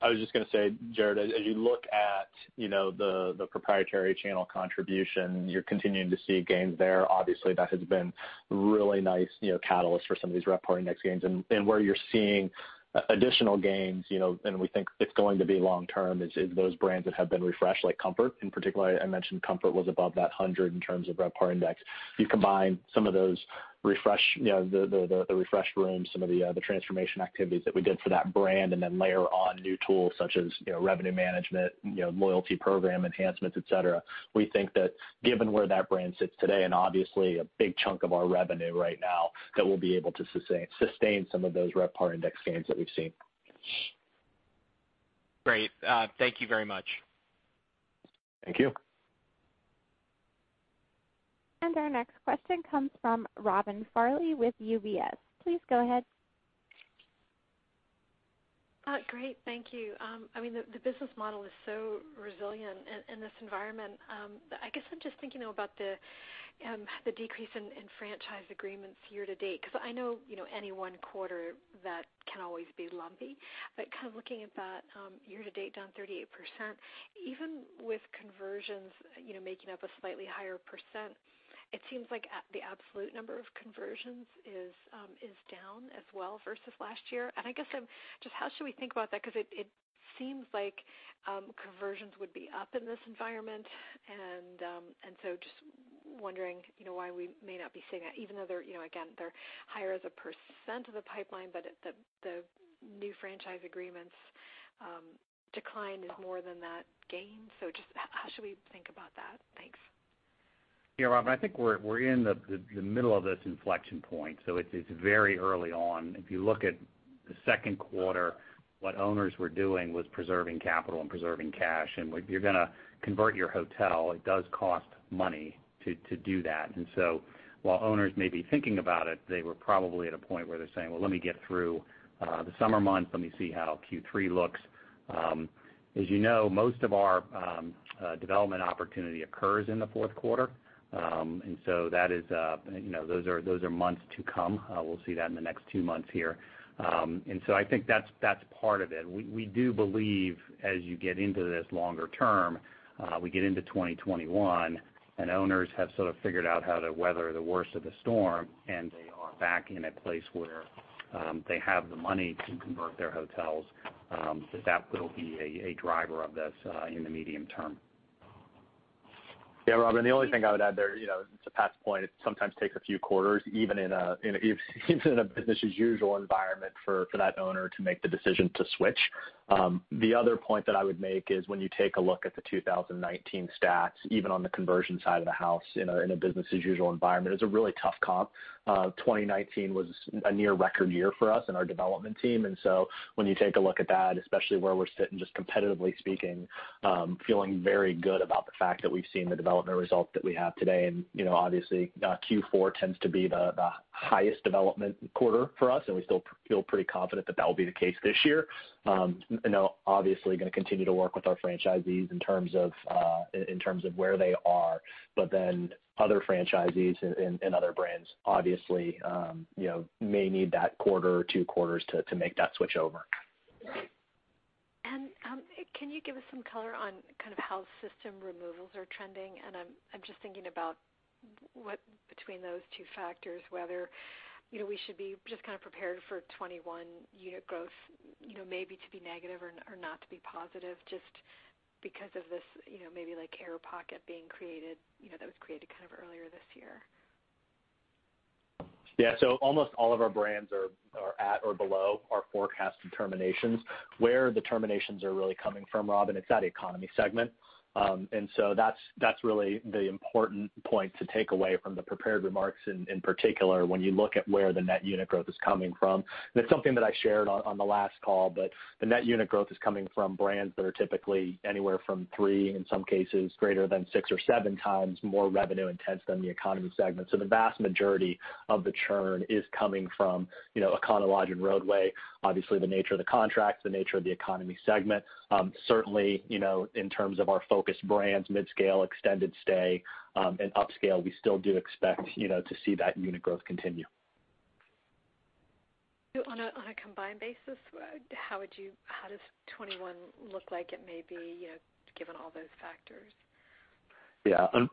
I was just going to say, Jared, as you look at, you know, the proprietary channel contribution, you're continuing to see gains there. Obviously, that has been a really nice, you know, catalyst for some of these RevPAR Index gains. And where you're seeing additional gains, you know, and we think it's going to be long term, is those brands that have been refreshed, like Comfort. In particular, I mentioned Comfort was above 100 in terms of RevPAR Index. You combine some of those refreshed, you know, the refreshed rooms, some of the transformation activities that we did for that brand, and then layer on new tools such as, you know, revenue management, you know, loyalty program enhancements, et cetera. We think that given where that brand sits today, and obviously, a big chunk of our revenue right now, that we'll be able to sustain, sustain some of those RevPAR Index gains that we've seen. Great. Thank you very much. Thank you. Our next question comes from Robin Farley with UBS. Please go ahead. Great, thank you. I mean, the business model is so resilient in this environment. I guess I'm just thinking about the decrease in franchise agreements year to date, because I know, you know, any one quarter, that can always be lumpy. But kind of looking at that, year to date, down 38%, even with conversions, you know, making up a slightly higher percent, it seems like the absolute number of conversions is down as well versus last year. And I guess I'm just how should we think about that? Because it seems like conversions would be up in this environment. And so just wondering, you know, why we may not be seeing that, even though they're, you know, again, they're higher as a percent of the pipeline, but at the new franchise agreements, decline is more than that gain. So just how should we think about that? Thanks. Yeah, Robin, I think we're in the middle of this inflection point, so it's very early on. If you look at the second quarter, what owners were doing was preserving capital and preserving cash. And when you're going to convert your hotel, it does cost money to do that. And so while owners may be thinking about it, they were probably at a point where they're saying, "Well, let me get through the summer months. Let me see how Q3 looks." As you know, most of our development opportunity occurs in the fourth quarter. And so that is, you know, those are months to come. We'll see that in the next two months here. And so I think that's part of it. We do believe as you get into this longer term, we get into 2021, and owners have sort of figured out how to weather the worst of the storm, and they are back in a place where, they have the money to convert their hotels, that will be a driver of this, in the medium term. .Yeah, Robin, the only thing I would add there, you know, to Pat's point, it sometimes takes a few quarters, even in a business as usual environment for that owner to make the decision to switch. The other point that I would make is when you take a look at the 2019 stats, even on the conversion side of the house, in a business as usual environment, it's a really tough comp. 2019 was a near record year for us and our development team. And so when you take a look at that, especially where we're sitting, just competitively speaking, feeling very good about the fact that we've seen the development results that we have today. You know, obviously, Q4 tends to be the highest development quarter for us, and we still feel pretty confident that will be the case this year. Obviously, gonna continue to work with our franchisees in terms of where they are. But then other franchisees and other brands, obviously, you know, may need that quarter or two quarters to make that switch over. Can you give us some color on kind of how system removals are trending? I'm just thinking about what between those two factors, whether, you know, we should be just kind of prepared for 21 unit growth, you know, maybe to be negative or not, or not to be positive just because of this, you know, maybe like air pocket being created, you know, that was created kind of earlier this year. Yeah. So almost all of our brands are at or below our forecasted terminations. Where the terminations are really coming from, Robin, it's that economy segment. And so that's really the important point to take away from the prepared remarks, in particular, when you look at where the net unit growth is coming from. And it's something that I shared on the last call, but the net unit growth is coming from brands that are typically anywhere from three, in some cases, greater than six or 7x more revenue intense than the economy segment. So the vast majority of the churn is coming from, you know, Econo Lodge and Rodeway. Obviously, the nature of the contracts, the nature of the economy segment. Certainly, you know, in terms of our focus brands, midscale, extended stay, and upscale, we still do expect, you know, to see that unit growth continue. So on a combined basis, how does 2021 look like it may be, you know, given all those factors? Yeah.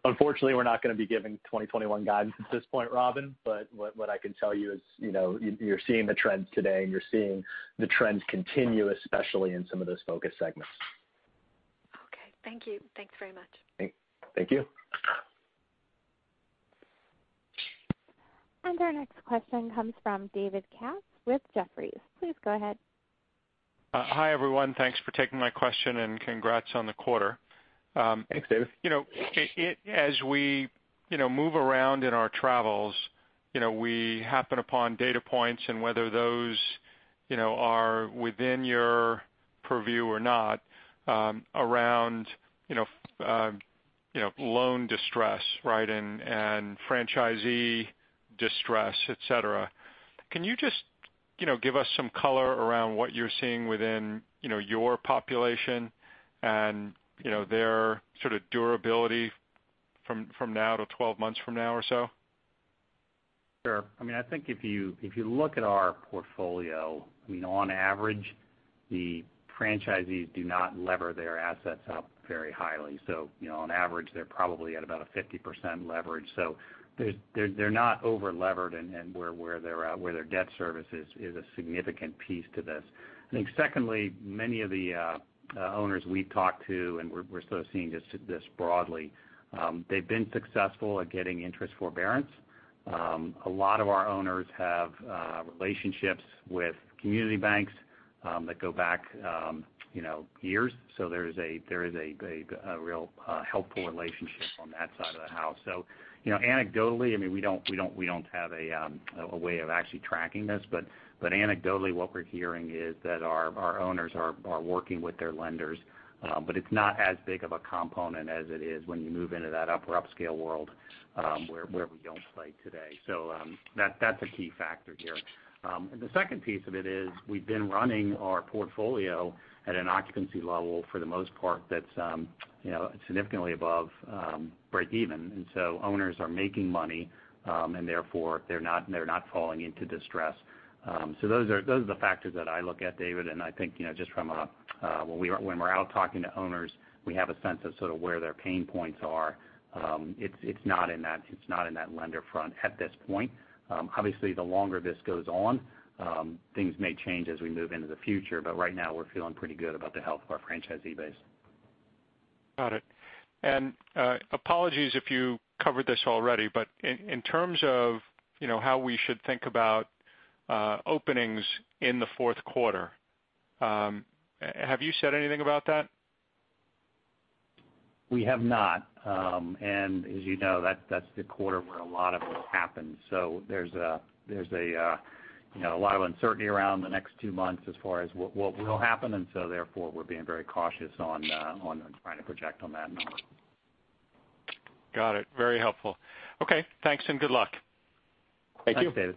Unfortunately, we're not gonna be giving 2021 guidance at this point, Robin. But what I can tell you is, you know, you're seeing the trends today, and you're seeing the trends continue, especially in some of those focus segments. Okay. Thank you. Thanks very much. Thank you. Our next question comes from David Katz with Jefferies. Please go ahead. Hi, everyone. Thanks for taking my question, and congrats on the quarter. Thanks, David. You know, as we, you know, move around in our travels, you know, we happen upon data points and whether those, you know, are within your purview or not, around, you know, loan distress, right, and, and franchisee distress, et cetera. Can you just, you know, give us some color around what you're seeing within, you know, your population and, you know, their sort of durability from now to 12 months from now or so? Sure. I mean, I think if you look at our portfolio, you know, on average, the franchisees do not lever their assets up very highly. So, you know, on average, they're probably at about 50% leverage. So they're not overlevered and where their debt service is a significant piece to this. I think secondly, many of the owners we've talked to, and we're sort of seeing this broadly, they've been successful at getting interest forbearance. A lot of our owners have relationships with community banks that go back, you know, years. So there is a real helpful relationship on that side of the house. So, you know, anecdotally, I mean, we don't have a way of actually tracking this, but anecdotally, what we're hearing is that our owners are working with their lenders, but it's not as big of a component as it is when you move into that upper upscale world, where we don't play today. So, that's a key factor here. And the second piece of it is, we've been running our portfolio at an occupancy level for the most part that's, you know, significantly above breakeven. And so owners are making money, and therefore, they're not falling into distress. So those are the factors that I look at, David, and I think, you know, just from a, when we're out talking to owners, we have a sense of sort of where their pain points are. It's not in that lender front at this point. Obviously, the longer this goes on, things may change as we move into the future, but right now we're feeling pretty good about the health of our franchisee base. Got it. And, apologies if you covered this already, but in, in terms of, you know, how we should think about openings in the fourth quarter, have you said anything about that? We have not. And as you know, that's the quarter where a lot of it happens. So there's a you know, a lot of uncertainty around the next two months as far as what will happen, and so therefore, we're being very cautious on trying to project on that number. Got it. Very helpful. Okay, thanks, and good luck. Thank you. Thanks, David.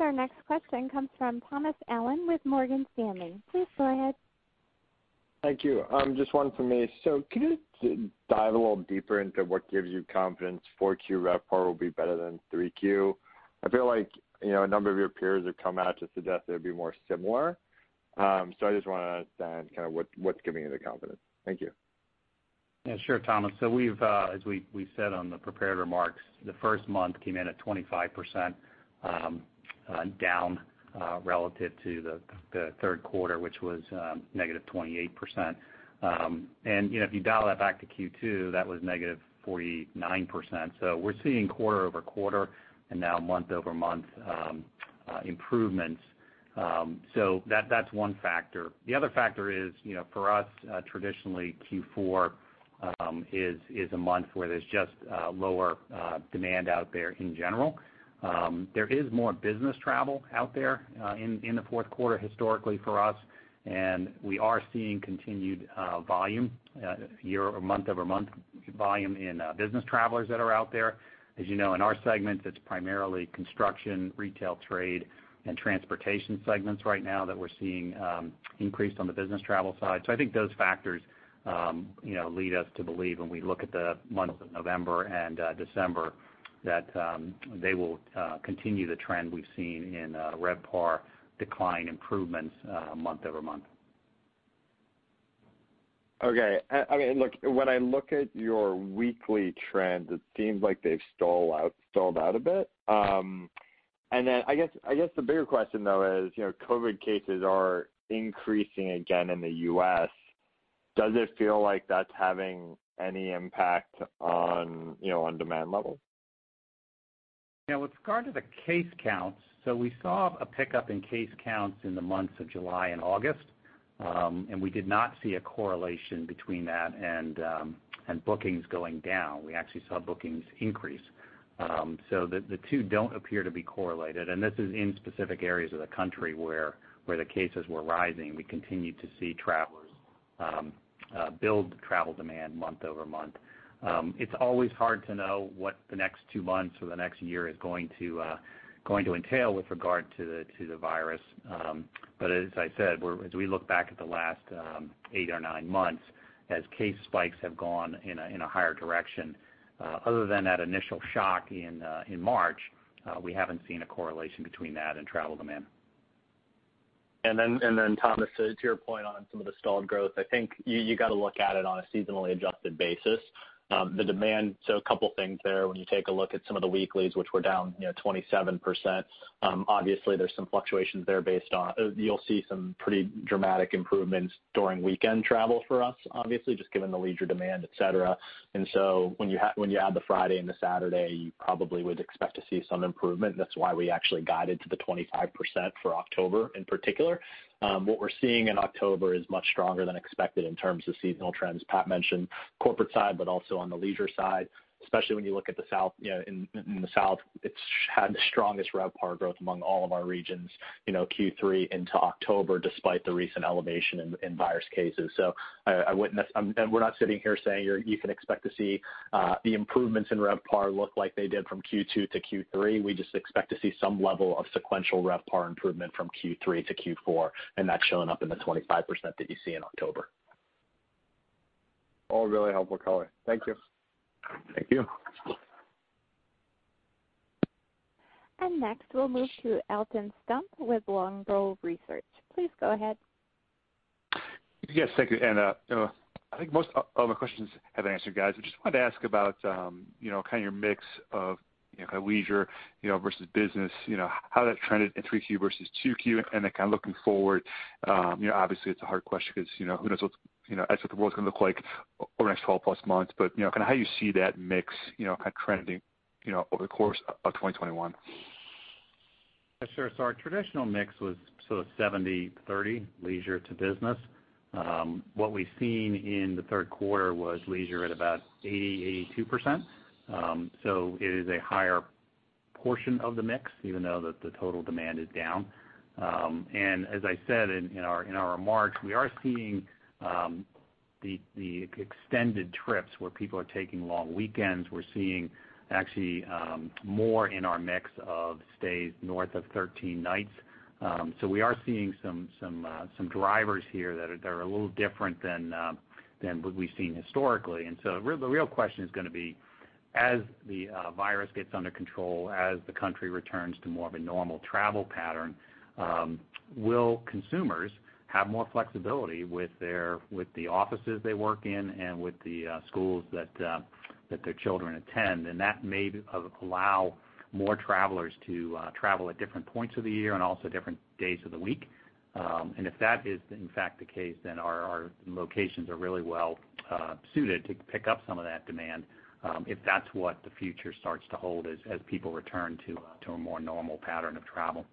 Our next question comes from Thomas Allen with Morgan Stanley. Please go ahead. Thank you. Just one for me. So could you dive a little deeper into what gives you confidence 4Q RevPAR will be better than 3Q? I feel like, you know, a number of your peers have come out to suggest it would be more similar. So I just want to understand kind of what, what's giving you the confidence. Thank you. Yeah, sure, Thomas. So we've, as we said on the prepared remarks, the first month came in at 25%, down relative to the third quarter, which was negative 28%. And, you know, if you dial that back to Q2, that was negative 49%. So we're seeing quarter-over-quarter, and now month-over-month, improvements. So that's one factor. The other factor is, you know, for us, traditionally, Q4 is a month where there's just lower demand out there in general. There is more business travel out there, in the fourth quarter historically for us, and we are seeing continued volume, year-- or month-over-month volume in business travelers that are out there. As you know, in our segment, it's primarily construction, retail, trade, and transportation segments right now that we're seeing, increase on the business travel side. So I think those factors, you know, lead us to believe when we look at the months of November and, December, that, they will, continue the trend we've seen in, RevPAR decline improvements, month over month. Okay. I mean, look, when I look at your weekly trends, it seems like they've stalled out a bit. And then I guess the bigger question, though, is, you know, COVID cases are increasing again in the U.S. Does it feel like that's having any impact on, you know, on demand levels? Yeah, with regard to the case counts, so we saw a pickup in case counts in the months of July and August, and we did not see a correlation between that and bookings going down. We actually saw bookings increase. So the two don't appear to be correlated, and this is in specific areas of the country where the cases were rising. We continued to see travelers build travel demand month over month. It's always hard to know what the next two months or the next year is going to going to entail with regard to the virus. But as I said, as we look back at the last eight or nine months, as case spikes have gone in a higher direction, other than that initial shock in March, we haven't seen a correlation between that and travel demand. Thomas, to your point on some of the stalled growth, I think you got to look at it on a seasonally adjusted basis. The demand, so a couple things there. When you take a look at some of the weeklies, which were down, you know, 27%, obviously there's some fluctuations there based on... You'll see some pretty dramatic improvements during weekend travel for us, obviously, just given the leisure demand, et cetera. And so when you add the Friday and the Saturday, you probably would expect to see some improvement. That's why we actually guided to the 25% for October, in particular. What we're seeing in October is much stronger than expected in terms of seasonal trends. Pat mentioned corporate side, but also on the leisure side, especially when you look at the South. You know, in the South, it's had the strongest RevPAR growth among all of our regions, you know, Q3 into October, despite the recent elevation in virus cases. So I wouldn't, and we're not sitting here saying you can expect to see the improvements in RevPAR look like they did from Q2 to Q3. We just expect to see some level of sequential RevPAR improvement from Q3 to Q4, and that's showing up in the 25% that you see in October. All really helpful color. Thank you. Thank you. Next, we'll move to Alton Stump with Longbow Research. Please go ahead. Yes, thank you. And, you know, I think most of my questions have been answered, guys. I just wanted to ask about, you know, kind of your mix of, you know, kind of leisure, you know, versus business, you know, how that trended in 3Q versus 2Q, and then kind of looking forward, you know, obviously, it's a hard question because, you know, who knows what, you know, as what the world's gonna look like over the next 12+ months. But, you know, kind of how you see that mix, you know, kind of trending, you know, over the course of 2021? Yeah, sure. So our traditional mix was sort of 70-30, leisure to business. What we've seen in the third quarter was leisure at about 80-82%. So it is a higher portion of the mix, even though the total demand is down. And as I said in our remarks, we are seeing the extended trips where people are taking long weekends. We're seeing actually more in our mix of stays north of 13 nights. So we are seeing some drivers here that are a little different than what we've seen historically. And so the real question is gonna be, as the virus gets under control, as the country returns to more of a normal travel pattern, will consumers have more flexibility with their, with the offices they work in and with the schools that their children attend? And that may allow more travelers to travel at different points of the year and also different days of the week. And if that is, in fact, the case, then our locations are really well suited to pick up some of that demand, if that's what the future starts to hold as people return to a more normal pattern of travel.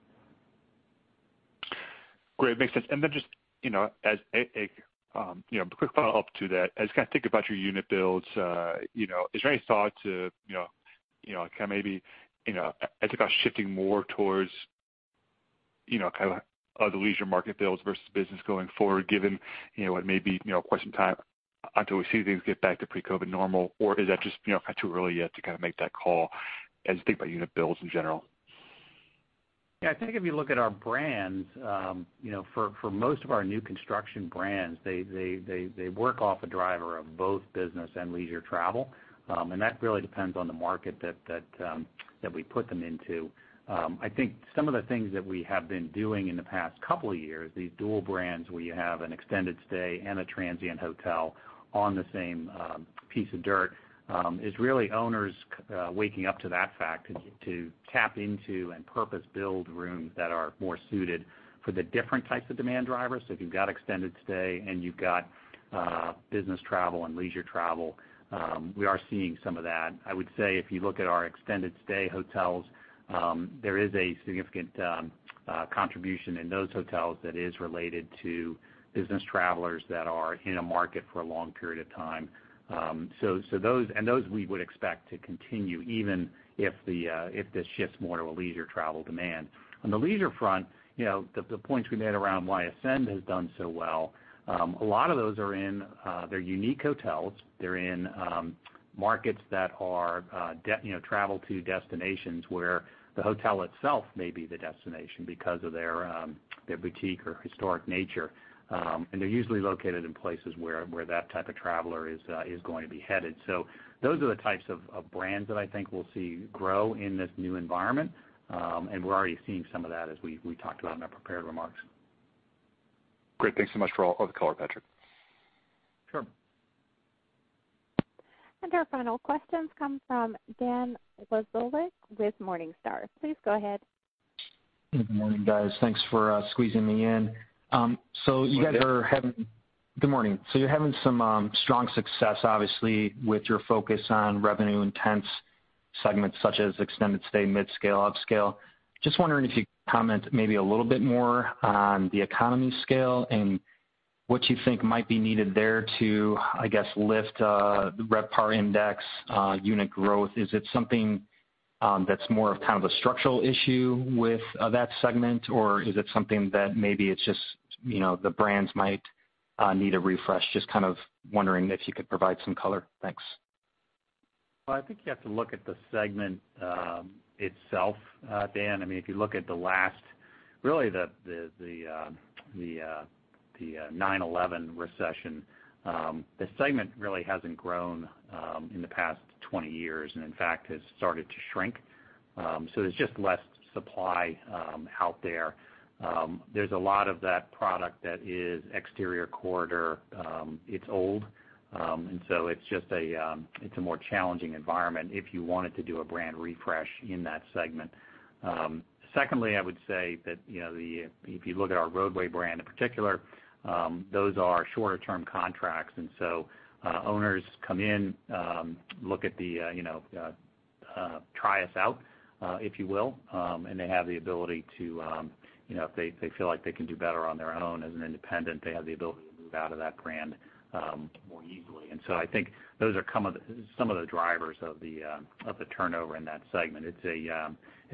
Great, makes sense. And then just, you know, as a quick follow-up to that, as you kind of think about your unit builds, you know, is there any thought to, you know, kind of maybe, you know, as you think about shifting more towards, you know, kind of the leisure market builds versus business going forward, given, you know, what may be, you know, a question of time until we see things get back to pre-COVID normal? Or is that just, you know, kind of too early yet to kind of make that call as you think about unit builds in general? Yeah, I think if you look at our brands, you know, for most of our new construction brands, they work off a driver of both business and leisure travel. And that really depends on the market that we put them into. I think some of the things that we have been doing in the past couple of years, these dual brands, where you have an extended stay and a transient hotel on the same piece of dirt, is really owners waking up to that fact to tap into and purpose-build rooms that are more suited for the different types of demand drivers. So if you've got extended stay and you've got business travel and leisure travel, we are seeing some of that. I would say, if you look at our extended stay hotels, there is a significant contribution in those hotels that is related to business travelers that are in a market for a long period of time. So those and those we would expect to continue, even if this shifts more to a leisure travel demand. On the leisure front, you know, the points we made around why Ascend has done so well, a lot of those are in, they're unique hotels. They're in markets that are, you know, travel to destinations where the hotel itself may be the destination because of their boutique or historic nature. And they're usually located in places where that type of traveler is going to be headed. So those are the types of brands that I think we'll see grow in this new environment. And we're already seeing some of that, as we talked about in our prepared remarks. Great. Thanks so much for all of the color, Patrick. Sure. Our final questions come from Dan Wasiolek with Morningstar. Please go ahead. Good morning, guys. Thanks for squeezing me in. So you guys are having- Morning. Good morning. So you're having some strong success, obviously, with your focus on revenue intense segments such as extended stay, midscale, upscale. Just wondering if you could comment maybe a little bit more on the economy scale and what you think might be needed there to, I guess, lift the RevPAR Index, unit growth. Is it something that's more of kind of a structural issue with that segment, or is it something that maybe it's just, you know, the brands might need a refresh? Just kind of wondering if you could provide some color. Thanks. Well, I think you have to look at the segment itself, Dan. I mean, if you look at the last really the 9/11 recession, the segment really hasn't grown in the past 20 years, and in fact, has started to shrink. So there's just less supply out there. There's a lot of that product that is exterior corridor. It's old. And so it's just a more challenging environment if you wanted to do a brand refresh in that segment. Secondly, I would say that, you know, if you look at our Rodeway brand in particular, those are shorter-term contracts, and so owners come in, look at the, you know, try us out, if you will. And they have the ability to, you know, if they feel like they can do better on their own as an independent, they have the ability to move out of that brand more easily. And so I think those are some of the drivers of the turnover in that segment. It's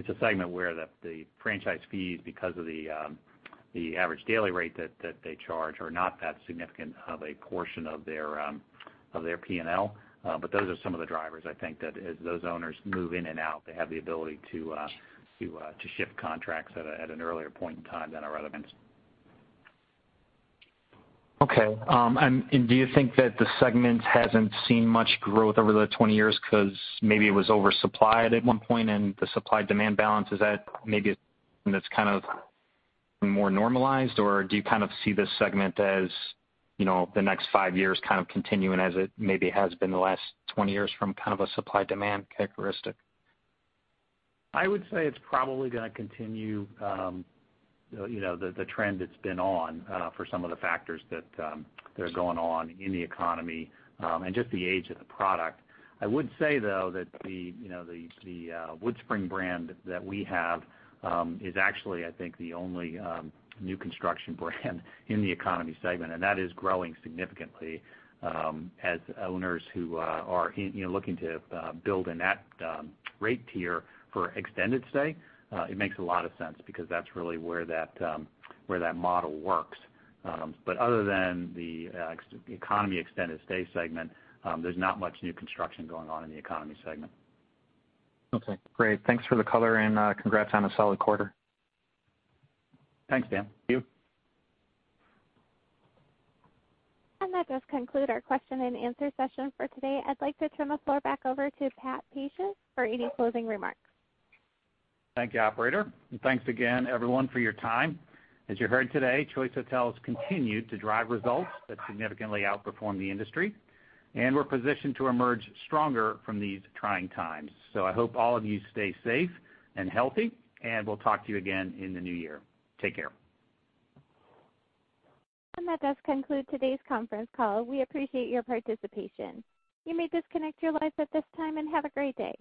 a segment where the franchise fees, because of the average daily rate that they charge, are not that significant of a portion of their P&L. But those are some of the drivers, I think, that as those owners move in and out, they have the ability to shift contracts at an earlier point in time than our other brands. Okay. And do you think that the segment hasn't seen much growth over the 20 years because maybe it was oversupplied at one point, and the supply-demand balance, is that maybe it's kind of more normalized? Or do you kind of see this segment as, you know, the next 5 years kind of continuing as it maybe has been the last 20 years from kind of a supply-demand characteristic? I would say it's probably gonna continue, you know, the trend it's been on, for some of the factors that are going on in the economy, and just the age of the product. I would say, though, that you know, the WoodSpring brand that we have, is actually, I think, the only new construction brand in the economy segment, and that is growing significantly, as owners who are, you know, looking to build in that rate tier for extended stay. It makes a lot of sense because that's really where that model works. But other than the economy extended stay segment, there's not much new construction going on in the economy segment. Okay, great. Thanks for the color, and congrats on a solid quarter. Thanks, Dan. Thank you. That does conclude our question and answer session for today. I'd like to turn the floor back over to Pat Pacious for any closing remarks. Thank you, operator, and thanks again, everyone, for your time. As you heard today, Choice Hotels continued to drive results that significantly outperform the industry, and we're positioned to emerge stronger from these trying times. So I hope all of you stay safe and healthy, and we'll talk to you again in the new year. Take care. That does conclude today's conference call. We appreciate your participation. You may disconnect your lines at this time, and have a great day.